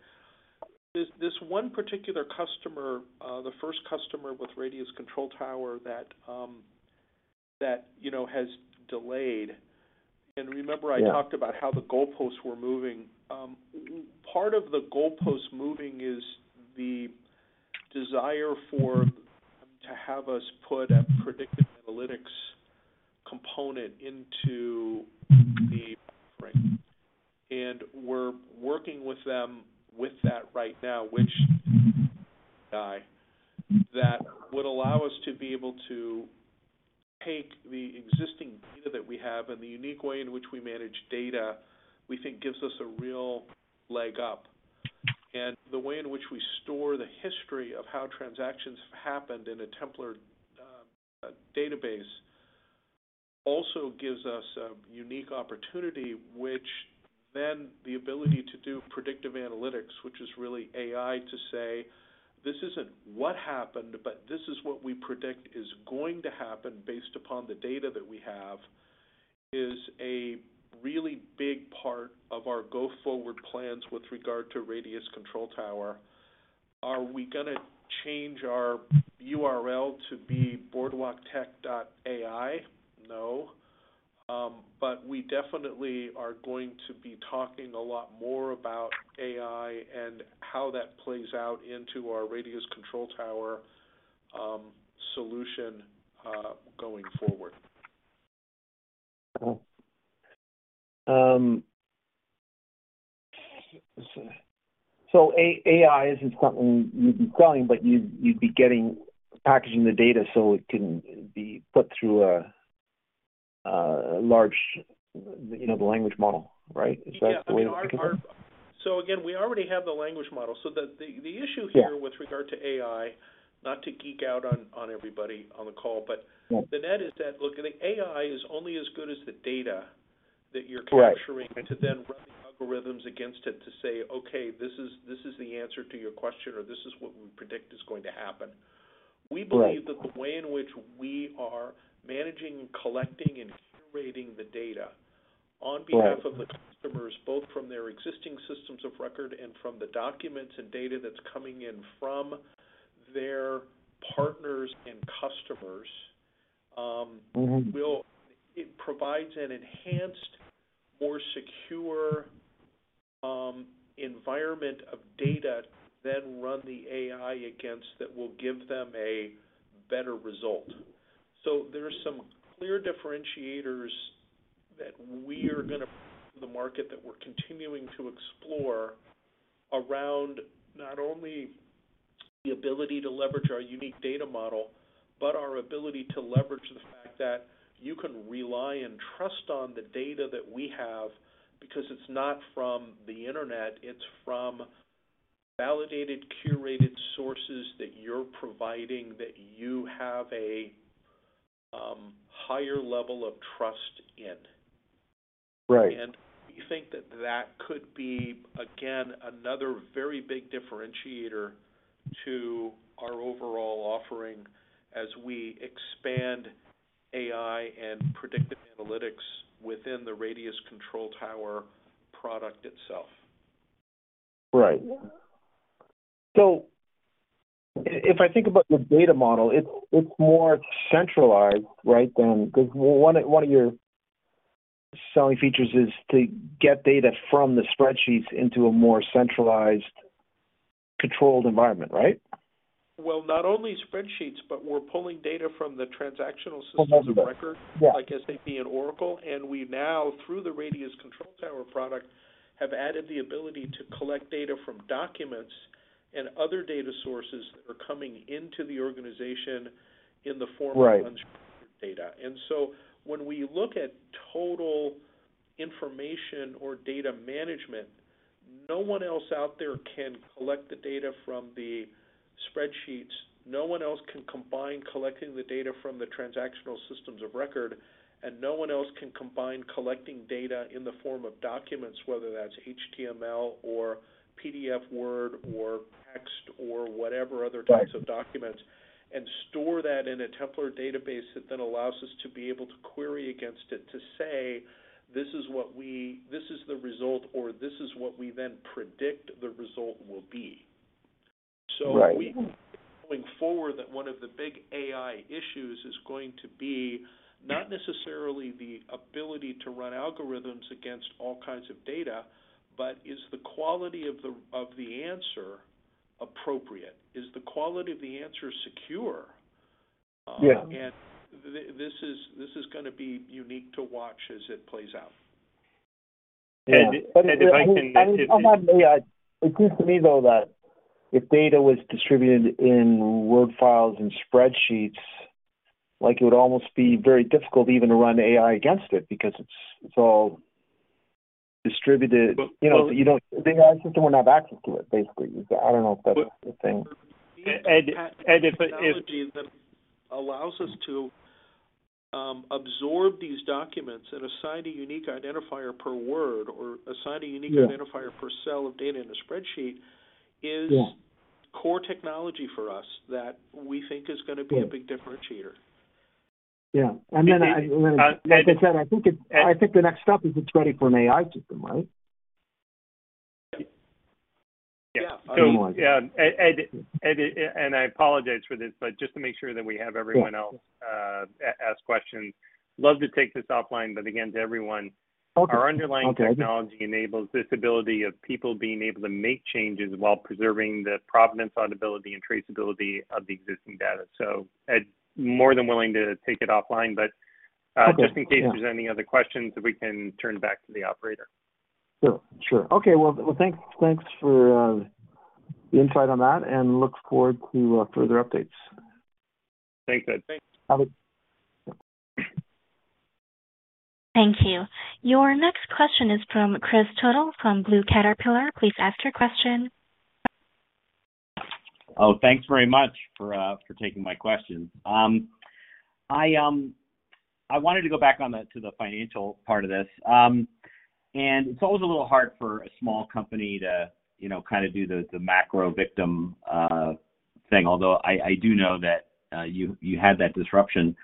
this one particular customer, the first customer with Radius Control Tower, that, you know, has delayed. Remember- Yeah I talked about how the goalposts were moving. Part of the goalposts moving is the desire for, to have us put a predictive analytics component into the frame. We're working with them with that right now, which AI, that would allow us to be able to take the existing data that we have and the unique way in which we manage data, we think gives us a real leg up. The way in which we store the history of how transactions happened in a templated database, also gives us a unique opportunity, which then the ability to do predictive analytics, which is really AI, to say, "This isn't what happened, but this is what we predict is going to happen, based upon the data that we have," is a really big part of our go-forward plans with regard to Radius Control Tower. Are we gonna change our URL to be boardwalktech.ai? No. We definitely are going to be talking a lot more about AI and how that plays out into our Radius Control Tower solution, going forward. AI isn't something you'd be selling, but you'd be getting packaging the data so it can be put through a large, you know, the language model, right? Is that the way to think of it? Again, we already have the language model. the Yeah The issue here with regard to AI, not to geek out on everybody on the call. Yeah The net is that, look, the AI is only as good as the data that you're- Correct capturing to then run algorithms against it, to say, "Okay, this is, this is the answer to your question, or this is what we predict is going to happen. Right. We believe that the way in which we are managing and collecting and curating the data on behalf- Right of the customers, both from their existing systems of record and from the documents and data that's coming in from their partners and customers. Mm-hmm it provides an enhanced, more secure, environment of data, then run the AI against, that will give them a better result. There are some clear differentiators that we are gonna bring to the market, that we're continuing to explore around not only the ability to leverage our unique data model, but our ability to leverage the fact that you can rely and trust on the data that we have, because it's not from the internet, it's from validated, curated sources that you're providing, that you have a higher level of trust in. Right. We think that that could be, again, another very big differentiator to our overall offering as we expand AI and predictive analytics within the Radius Control Tower product itself. Right. If I think about the data model, it's more centralized, right, than, because one of your selling features is to get data from the spreadsheets into a more centralized, controlled environment, right? Well, not only spreadsheets, but we're pulling data from the transactional systems- From those, yeah. of record, like SAP and Oracle. We now, through the Radius Control Tower product, have added the ability to collect data from documents and other data sources that are coming into the organization in the form of- Right unstructured data. When we look at total information or data management, no one else out there can collect the data from the spreadsheets, no one else can combine collecting the data from the transactional systems of record, and no one else can combine collecting data in the form of documents, whether that's HTML or PDF, Word, or text, or whatever other types of documents, and store that in a tabular database that then allows us to be able to query against it, to say, this is the result, or this is what we then predict the result will be. Right. Going forward, that one of the big AI issues is going to be not necessarily the ability to run algorithms against all kinds of data, but is the quality of the, of the answer appropriate? Is the quality of the answer secure? Yeah. This is gonna be unique to watch as it plays out. And, and if I can- It seems to me, though, that if data was distributed in Word files and spreadsheets, like it would almost be very difficult even to run AI against it because it's all distributed. You know, the AI system would not have access to it, basically. I don't know if that's the thing. And, and if it- That allows us to absorb these documents and assign a unique identifier per word or assign a unique- Yeah identifier per cell of data in a spreadsheet is Yeah core technology for us that we think is gonna be a big differentiator. Yeah. Then, like I said, I think the next step is it's ready for an AI system, right? Yeah. Yeah. I apologize for this, but just to make sure that we have everyone else ask questions. Love to take this offline, but again, to everyone… Okay. Our underlying technology enables this ability of people being able to make changes while preserving the provenance, audibility, and traceability of the existing data. Ed, more than willing to take it offline, but just in case there's any other questions, we can turn it back to the operator. Sure. Sure. Okay, well, thanks for the insight on that. Look forward to further updates. Thanks, Ed. Have a- Thank you. Your next question is from Kris Tuttle from Blue Caterpillar. Please ask your question. Thanks very much for taking my question. I wanted to go back to the financial part of this. It's always a little hard for a small company to, you know, kind of do the macro victim thing. Although I do know that you had that disruption.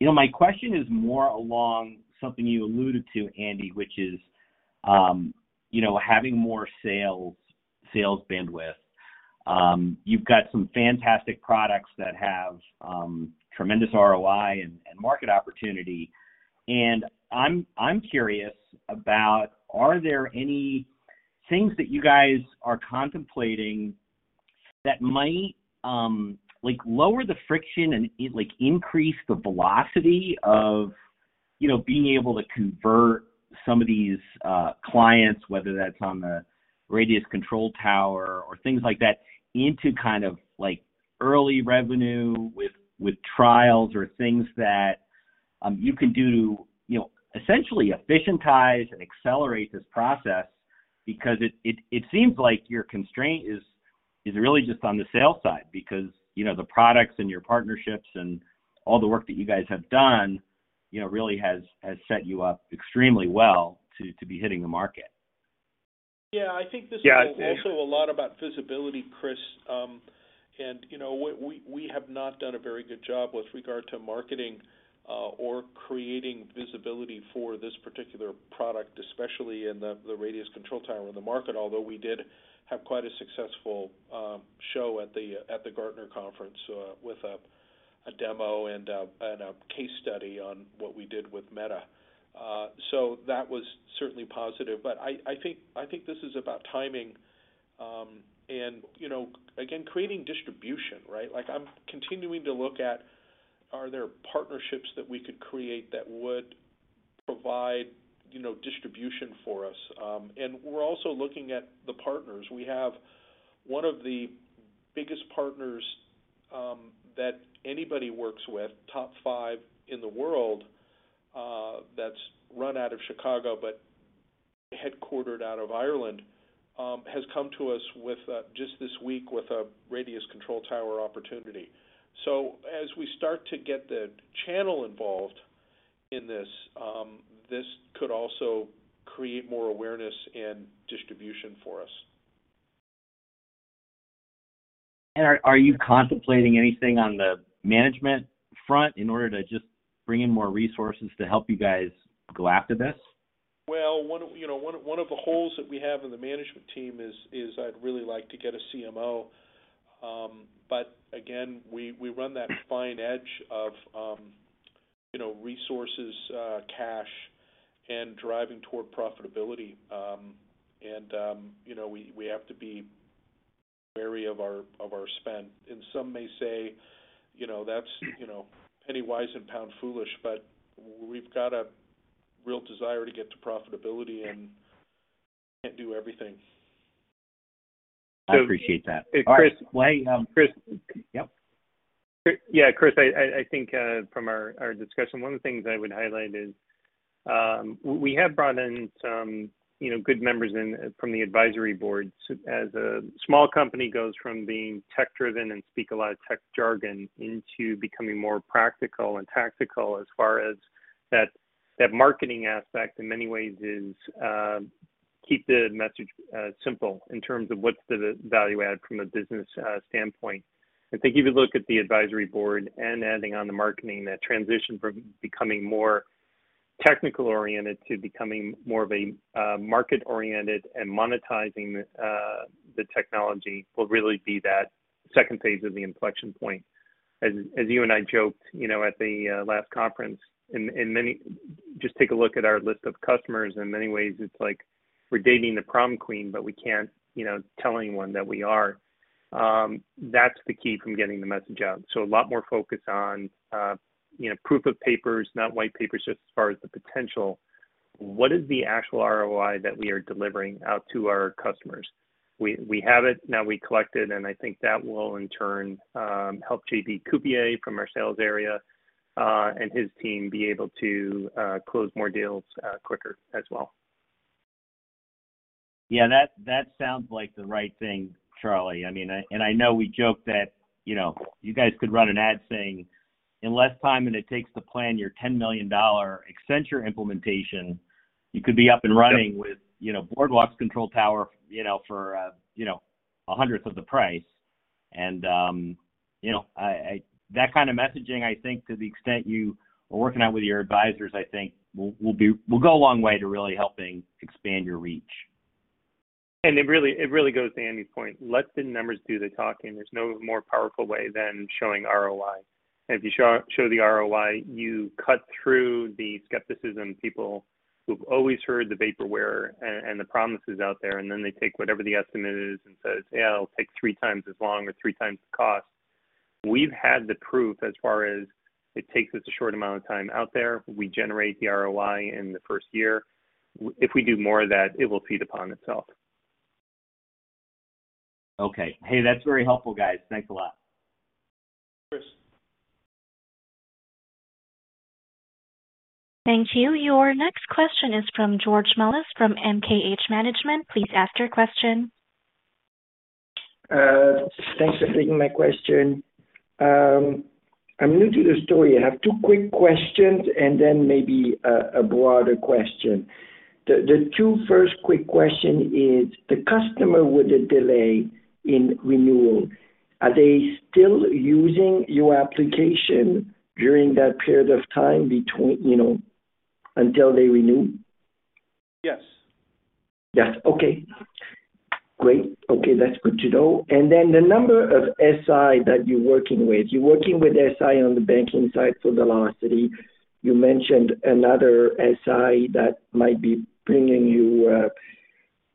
You know, my question is more along something you alluded to, Andy, which is, you know, having more sales bandwidth. You've got some fantastic products that have tremendous ROI and market opportunity. I'm curious about, are there any things that you guys are contemplating that might, like, lower the friction and, like, increase the velocity of, you know, being able to convert some of these clients, whether that's on the Radius Control Tower or things like that, into kind of like early revenue with trials or things that, you can do, you know, essentially efficientize and accelerate this process. It seems like your constraint is really just on the sales side, because, you know, the products and your partnerships and all the work that you guys have done, you know, really has set you up extremely well to be hitting the market. Yeah, I think this is- Yeah also a lot about visibility, Kris. you know, we have not done a very good job with regard to marketing, or creating visibility for this particular product, especially in the Radius Control Tower in the market. Although we did have quite a successful show at the Gartner conference, with a demo and a case study on what we did with Meta. that was certainly positive. I think this is about timing, and, you know, again, creating distribution, right? Like, I'm continuing to look at, are there partnerships that we could create that would provide, you know, distribution for us? we're also looking at the partners. We have one of the biggest partners that anybody works with, top five in the world, that's run out of Chicago, but headquartered out of Ireland, has come to us just this week with a Radius Control Tower opportunity. As we start to get the channel involved in this could also create more awareness and distribution for us. Are you contemplating anything on the management front in order to just bring in more resources to help you guys go after this? Well, one of, you know, one of the holes that we have in the management team is I'd really like to get a CMO. Again, we run that fine edge of, you know, resources, cash, and driving toward profitability. You know, we have to be wary of our spend. Some may say, you know, that's, you know, penny-wise and pound-foolish, but we've got a real desire to get to profitability and can't do everything. I appreciate that. Kris- Yep. Yeah, Kris, I think from our discussion, one of the things I would highlight is, we have brought in some, you know, good members in from the advisory board. As a small company goes from being tech-driven and speak a lot of tech jargon into becoming more practical and tactical as far as that marketing aspect in many ways is, keep the message simple in terms of what's the value add from a business standpoint. I think if you look at the advisory board and adding on the marketing, that transition from becoming more technical-oriented to becoming more of a market-oriented and monetizing the technology will really be that second phase of the inflection point. As you and I joked, you know, at the last conference, and just take a look at our list of customers. In many ways, it's like we're dating the prom queen, but we can't, you know, tell anyone that we are. That's the key from getting the message out. A lot more focus on, you know, proof of papers, not white papers, just as far as the potential. What is the actual ROI that we are delivering out to our customers? We have it now, we collect it, and I think that will in turn, help JB Kuppe from our sales area, and his team be able to close more deals quicker as well. That sounds like the right thing, Charlie. I mean, I know we joked that, you know, you guys could run an ad saying, "In less time than it takes to plan your $10 million Accenture implementation, you could be up and running with, you know, Boardwalk's Control Tower, you know, for, you know, a hundredth of the price." That kind of messaging, I think to the extent you are working out with your advisors, I think will go a long way to really helping expand your reach. It really goes to Andy's point. Let the numbers do the talking. There's no more powerful way than showing ROI. If you show the ROI, you cut through the skepticism of people who've always heard the vaporware and the promises out there, and then they take whatever the estimate is and says, "Yeah, it'll take three times as long or three times the cost." We've had the proof as far as it takes us a short amount of time out there. We generate the ROI in the first year. If we do more of that, it will feed upon itself. Okay. Hey, that's very helpful, guys. Thanks a lot. Of course. Thank you. Your next question is from George Melas-Kyriazi, from MKH Management. Please ask your question. Thanks for taking my question. I'm new to the story. I have two quick questions and then maybe a broader question. The two first quick question is: the customer with a delay in renewal, are they still using your application during that period of time between, you know, until they renew? Yes. Yes. Okay, great. Okay, that's good to know. The number of SI that you're working with, you're working with SI on the banking side for Velocity. You mentioned another SI that might be bringing you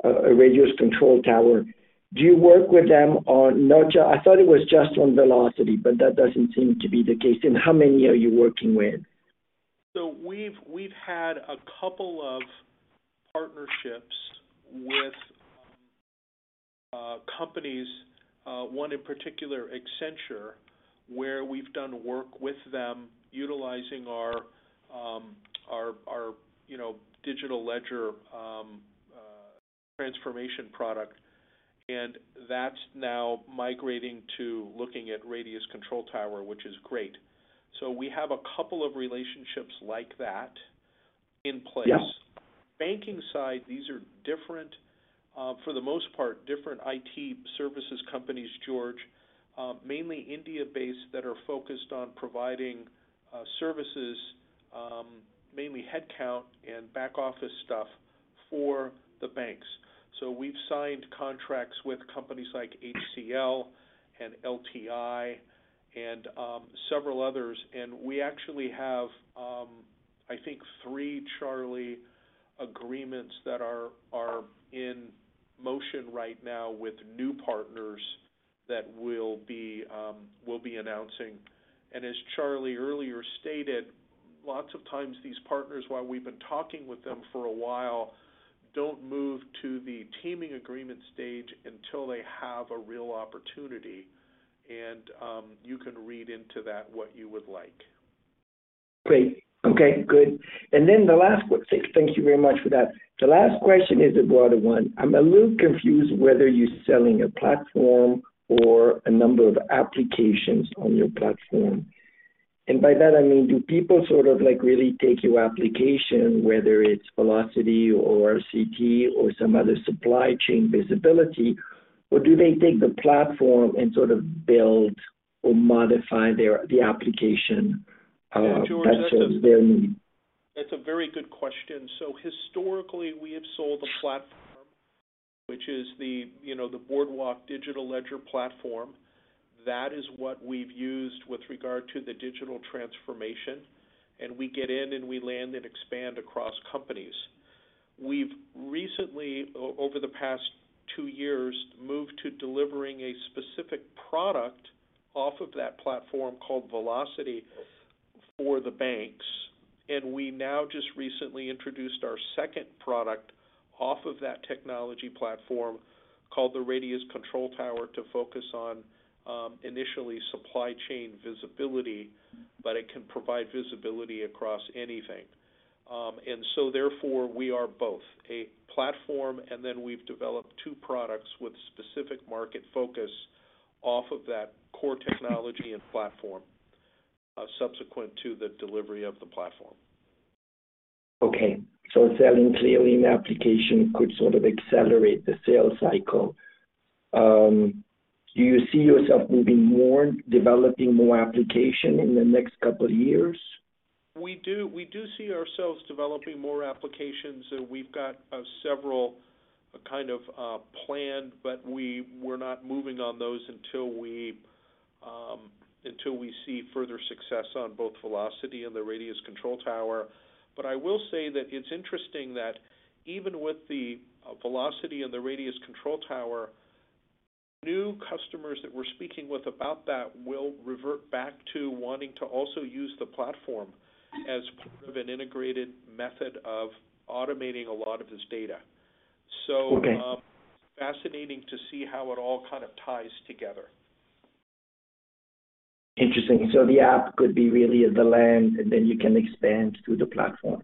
a Radius Control Tower. Do you work with them on I thought it was just on Velocity, but that doesn't seem to be the case. How many are you working with? We've had a couple of partnerships with companies, one in particular, Accenture, where we've done work with them utilizing our, you know, digital ledger transformation product, and that's now migrating to looking at Radius Control Tower, which is great. We have a couple of relationships like that in place. Yeah. Banking side, these are different, for the most part, different IT services companies, George, mainly India-based, that are focused on providing services, mainly headcount and back office stuff for the banks. We've signed contracts with companies like HCL and LTIMindtree and several others, and we actually have, I think three, Charlie, agreements that are in motion right now with new partners that we'll be, we'll be announcing. As Charlie earlier stated, lots of times these partners, while we've been talking with them for a while, don't move to the teaming agreement stage until they have a real opportunity, and you can read into that what you would like. Great. Okay, good. Thank you very much for that. The last question is a broader one. I'm a little confused whether you're selling a platform or a number of applications on your platform. By that I mean, do people sort of like really take your application, whether it's Velocity or CT or some other supply chain visibility, or do they take the platform and sort of build or modify their application that serves their need? That's a very good question. Historically, we have sold a platform, which is the, you know, the Boardwalk Digital Ledger platform. That is what we've used with regard to the digital transformation, and we get in and we land and expand across companies. We've recently, over the past two years, moved to delivering a specific product off of that platform called Velocity for the banks, and we now just recently introduced our second product off of that technology platform called the Radius Control Tower, to focus on initially supply chain visibility, but it can provide visibility across anything. Therefore, we are both a platform, and then we've developed two products with specific market focus. off of that core technology and platform, subsequent to the delivery of the platform. Okay. Selling clearly an application could sort of accelerate the sales cycle. Do you see yourself moving more, developing more application in the next couple of years? We do see ourselves developing more applications, and we've got several kind of planned, but we're not moving on those until we see further success on both Velocity and the Radius Control Tower. I will say that it's interesting that even with the Velocity and the Radius Control Tower, new customers that we're speaking with about that will revert back to wanting to also use the platform as part of an integrated method of automating a lot of this data. Okay. Fascinating to see how it all kind of ties together. Interesting. The app could be really the land, and then you can expand to the platform?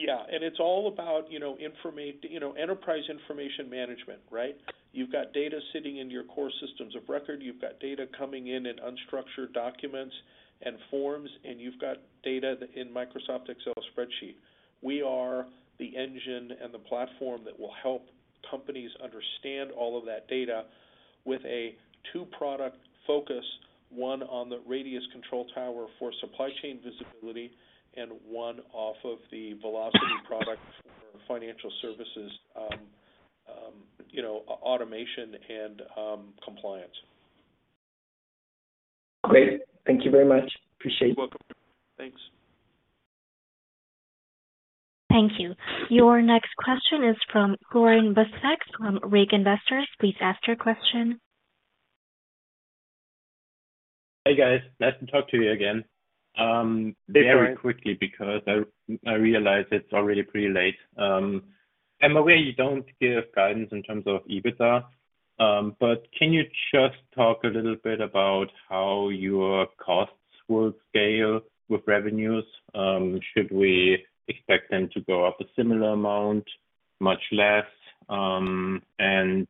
Yeah. It's all about, you know, enterprise information management, right? You've got data sitting in your core systems of record. You've got data coming in in unstructured documents and forms. You've got data in Microsoft Excel spreadsheet. We are the engine and the platform that will help companies understand all of that data with a two-product focus, one on the Radius Control Tower for supply chain visibility and one off of the Velocity product for financial services, you know, automation and compliance. Great. Thank you very much. Appreciate it. You're welcome. Thanks. Thank you. Your next question is from Florian Buschek from Breakout Investors. Please ask your question. Hey, guys. Nice to talk to you again. Hey, Florian. Very quickly, because I realize it's already pretty late. I'm aware you don't give guidance in terms of EBITDA, but can you just talk a little bit about how your costs will scale with revenues? Should we expect them to go up a similar amount, much less, and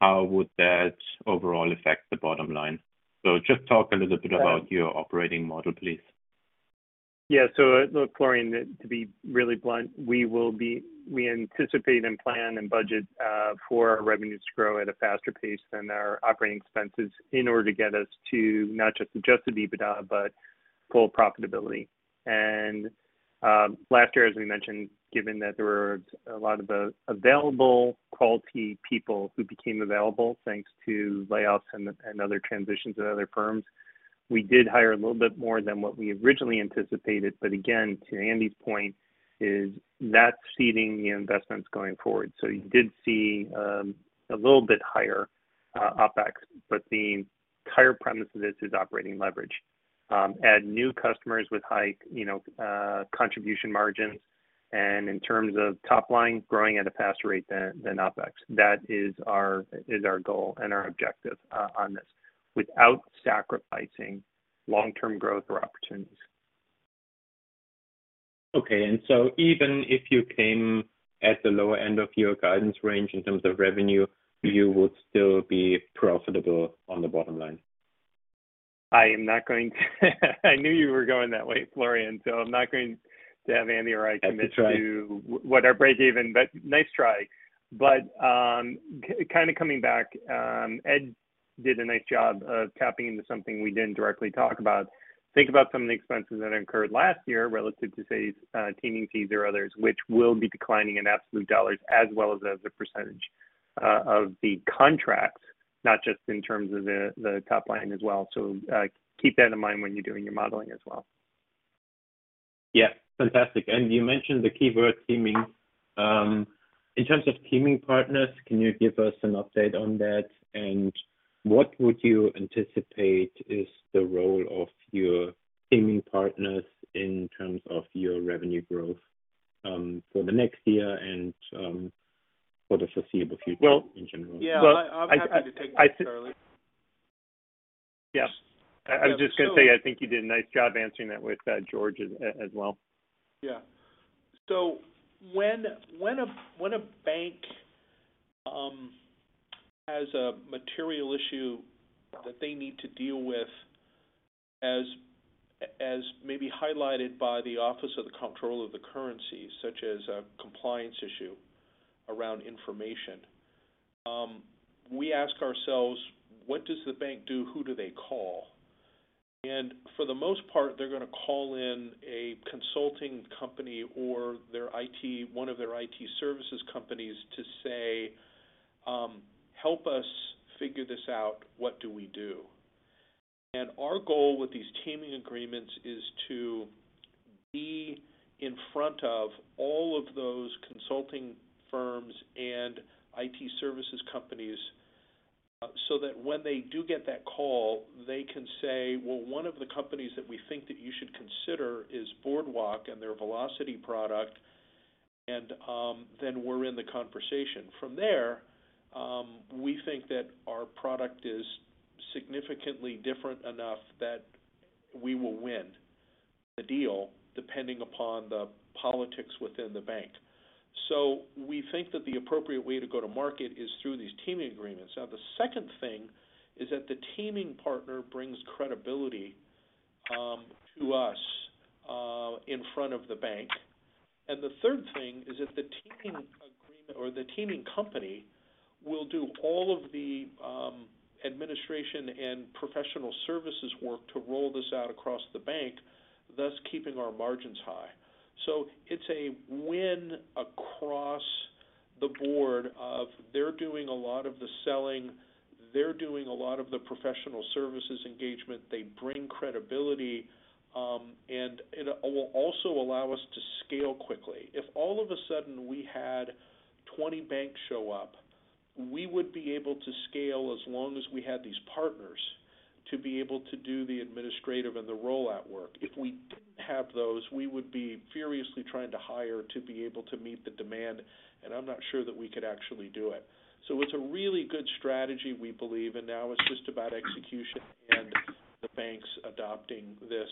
how would that overall affect the bottom line? Just talk a little bit about your operating model, please. Yeah. Look, Florian, to be really blunt, we anticipate and plan and budget for our revenues to grow at a faster pace than our operating expenses in order to get us to not just adjusted EBITDA, but full profitability. Last year, as we mentioned, given that there were a lot of available quality people who became available, thanks to layoffs and other transitions at other firms, we did hire a little bit more than what we originally anticipated. Again, to Andy's point, is that's seeding the investments going forward. You did see a little bit higher OpEx, but the entire premise of this is operating leverage. Add new customers with high, you know, contribution margins, and in terms of top line, growing at a faster rate than OpEx. That is our goal and our objective, on this, without sacrificing long-term growth or opportunities. Okay. Even if you came at the lower end of your guidance range in terms of revenue, you would still be profitable on the bottom line? I am not going to, I knew you were going that way, Florian, so I'm not going to have Andy or I commit to. I could try. what our breakeven, but nice try. kind of coming back, Ed did a nice job of tapping into something we didn't directly talk about. Think about some of the expenses that incurred last year relative to, say, teaming fees or others, which will be declining in absolute dollars as well as as a percentage of the contracts, not just in terms of the top line as well. keep that in mind when you're doing your modeling as well. Yeah. Fantastic. You mentioned the keyword teaming. In terms of teaming partners, can you give us an update on that? What would you anticipate is the role of your teaming partners in terms of your revenue growth for the next year and for the foreseeable future. Well- in general? I'm happy to take that, Charlie. Yes. I was just going to say, I think you did a nice job answering that with George as well. When a bank has a material issue that they need to deal with, as maybe highlighted by the Office of the Comptroller of the Currency, such as a compliance issue around information, we ask ourselves: What does the bank do? Who do they call? For the most part, they're going to call in a consulting company or their IT, one of their IT services companies to say: Help us figure this out. What do we do? Our goal with these teaming agreements is to be in front of all of those consulting firms and IT services companies, so that when they do get that call, they can say, "Well, one of the companies that we think that you should consider is Boardwalk and their Velocity product." Then we're in the conversation. From there, we think that our product is significantly different enough that we will win the deal, depending upon the politics within the bank. We think that the appropriate way to go to market is through these teaming agreements. The second thing is that the teaming partner brings credibility to us in front of the bank. The third thing is that the teaming agreement or the teaming company will do all of the administration and professional services work to roll this out across the bank, thus keeping our margins high. It's a win across the board of they're doing a lot of the selling, they're doing a lot of the professional services engagement. They bring credibility, and it will also allow us to scale quickly. If all of a sudden we had 20 banks show up, we would be able to scale as long as we had these partners to be able to do the administrative and the rollout work. If we didn't have those, we would be furiously trying to hire to be able to meet the demand, and I'm not sure that we could actually do it. It's a really good strategy, we believe, and now it's just about execution and the banks adopting this,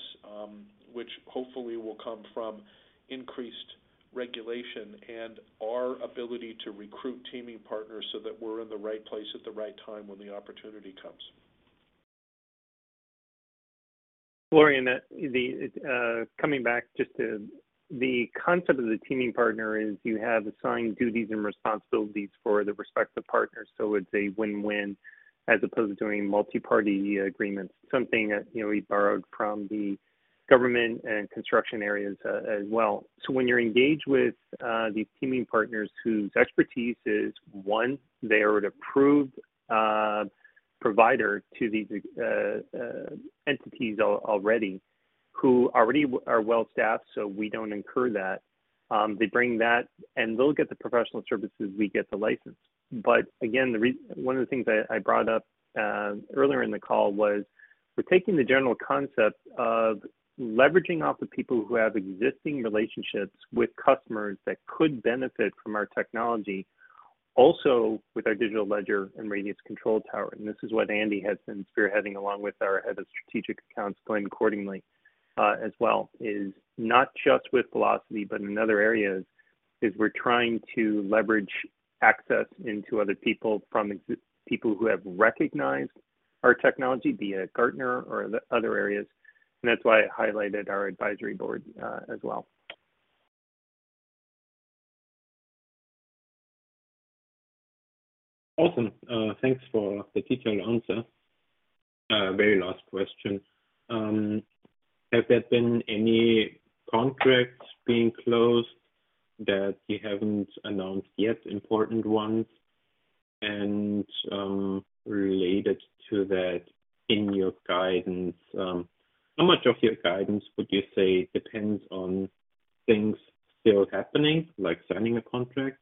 which hopefully will come from increased regulation and our ability to recruit teaming partners so that we're in the right place at the right time when the opportunity comes. Florian, coming back just to the concept of the teaming partner is you have assigned duties and responsibilities for the respective partners, so it's a win-win as opposed to doing multiparty agreements, something that, you know, we borrowed from the government and construction areas as well. When you're engaged with these teaming partners whose expertise is one, they are an approved provider to these entities already, who already are well staffed, so we don't incur that. They bring that and they'll get the professional services, we get the license. Again, one of the things I brought up earlier in the call was, we're taking the general concept of leveraging off the people who have existing relationships with customers that could benefit from our technology, also with our digital ledger and Radius Control Tower. This is what Andy has been spearheading, along with our Head of Strategic Accounts, Glenn Cordingley. As well, is not just with Velocity, but in other areas, is we're trying to leverage access into other people from people who have recognized our technology, be it Gartner or other areas, and that's why I highlighted our advisory board, as well. Awesome. Thanks for the detailed answer. Very last question. Have there been any contracts being closed that you haven't announced yet, important ones? Related to that, in your guidance, how much of your guidance would you say depends on things still happening, like signing a contract,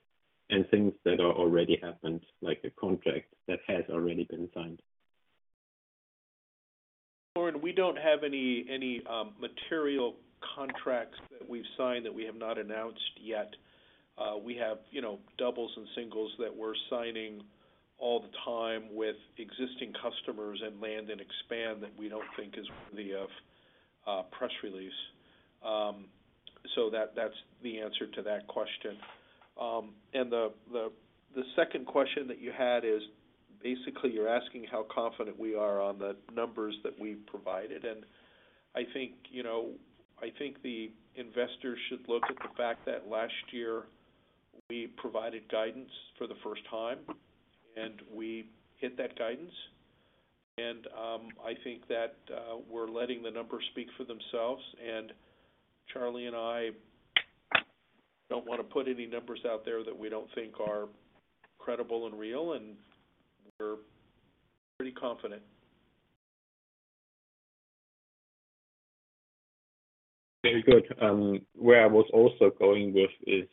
and things that are already happened, like a contract that has already been signed? Florian, we don't have any material contracts that we've signed that we have not announced yet. We have, you know, doubles and singles that we're signing all the time with existing customers and land and expand, that we don't think is worthy of a press release. That's the answer to that question. The second question that you had is, basically you're asking how confident we are on the numbers that we've provided. I think, you know, I think the investors should look at the fact that last year we provided guidance for the first time, and we hit that guidance. I think that we're letting the numbers speak for themselves, and Charlie and I don't want to put any numbers out there that we don't think are credible and real, and we're pretty confident. Very good. Where I was also going with is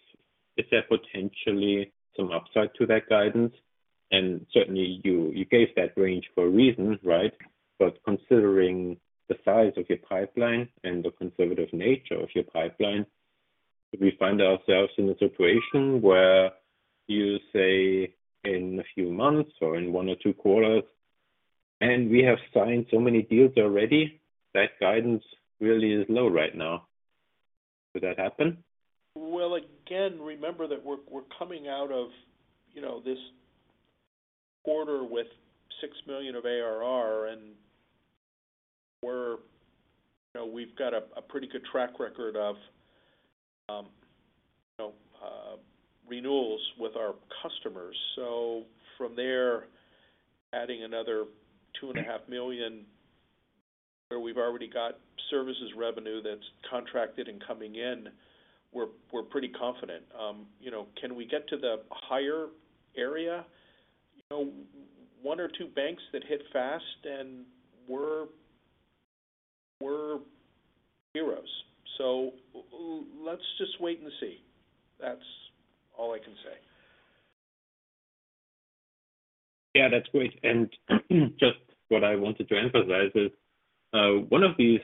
there potentially some upside to that guidance? Certainly you gave that range for a reason, right? Considering the size of your pipeline and the conservative nature of your pipeline, do we find ourselves in a situation where you say, in a few months or in one or two quarters, and we have signed so many deals already, that guidance really is low right now. Could that happen? Well, again, remember that we're coming out of, you know, this quarter with $6 million of ARR, you know, we've got a pretty good track record of, you know, renewals with our customers. From there, adding another $2.5 million, where we've already got services revenue that's contracted and coming in, we're pretty confident. You know, can we get to the higher area? You know, one or two banks that hit fast and we're heroes. Let's just wait and see. That's all I can say. Yeah, that's great. Just what I wanted to emphasize is one of these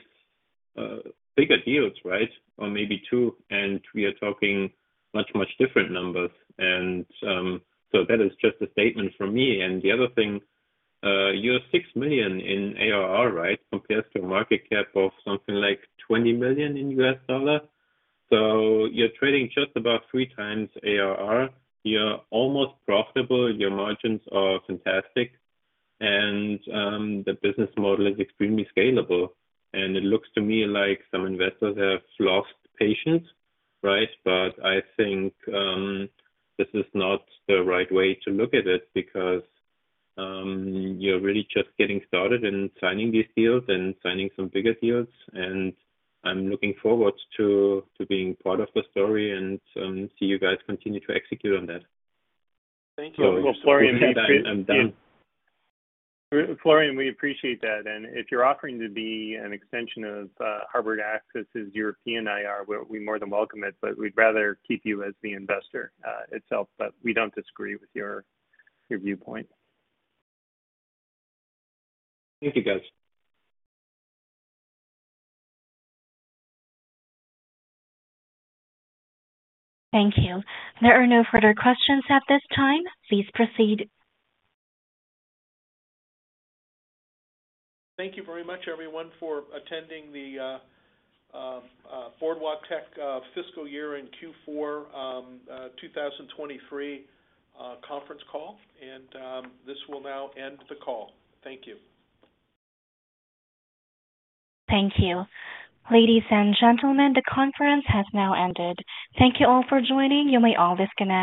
bigger deals, right? Or maybe two, we are talking much, much different numbers. That is just a statement from me. The other thing, your $6 million in ARR, right, compares to a market cap of something like $20 million in US dollar. You're trading just about 3x ARR. You're almost profitable, your margins are fantastic, the business model is extremely scalable. It looks to me like some investors have lost patience, right? I think this is not the right way to look at it because you're really just getting started in signing these deals and signing some bigger deals. I'm looking forward to being part of the story and see you guys continue to execute on that. Thank you. Florian- I'm done. Florian, we appreciate that. If you're offering to be an extension of Harbor Access's European IR, we more than welcome it, but we'd rather keep you as the investor itself. We don't disagree with your viewpoint. Thank you, guys. Thank you. There are no further questions at this time. Please proceed. Thank you very much, everyone, for attending the Boardwalktech fiscal year in Q4 2023 conference call. This will now end the call. Thank you. Thank you. Ladies and gentlemen, the conference has now ended. Thank you all for joining. You may all disconnect.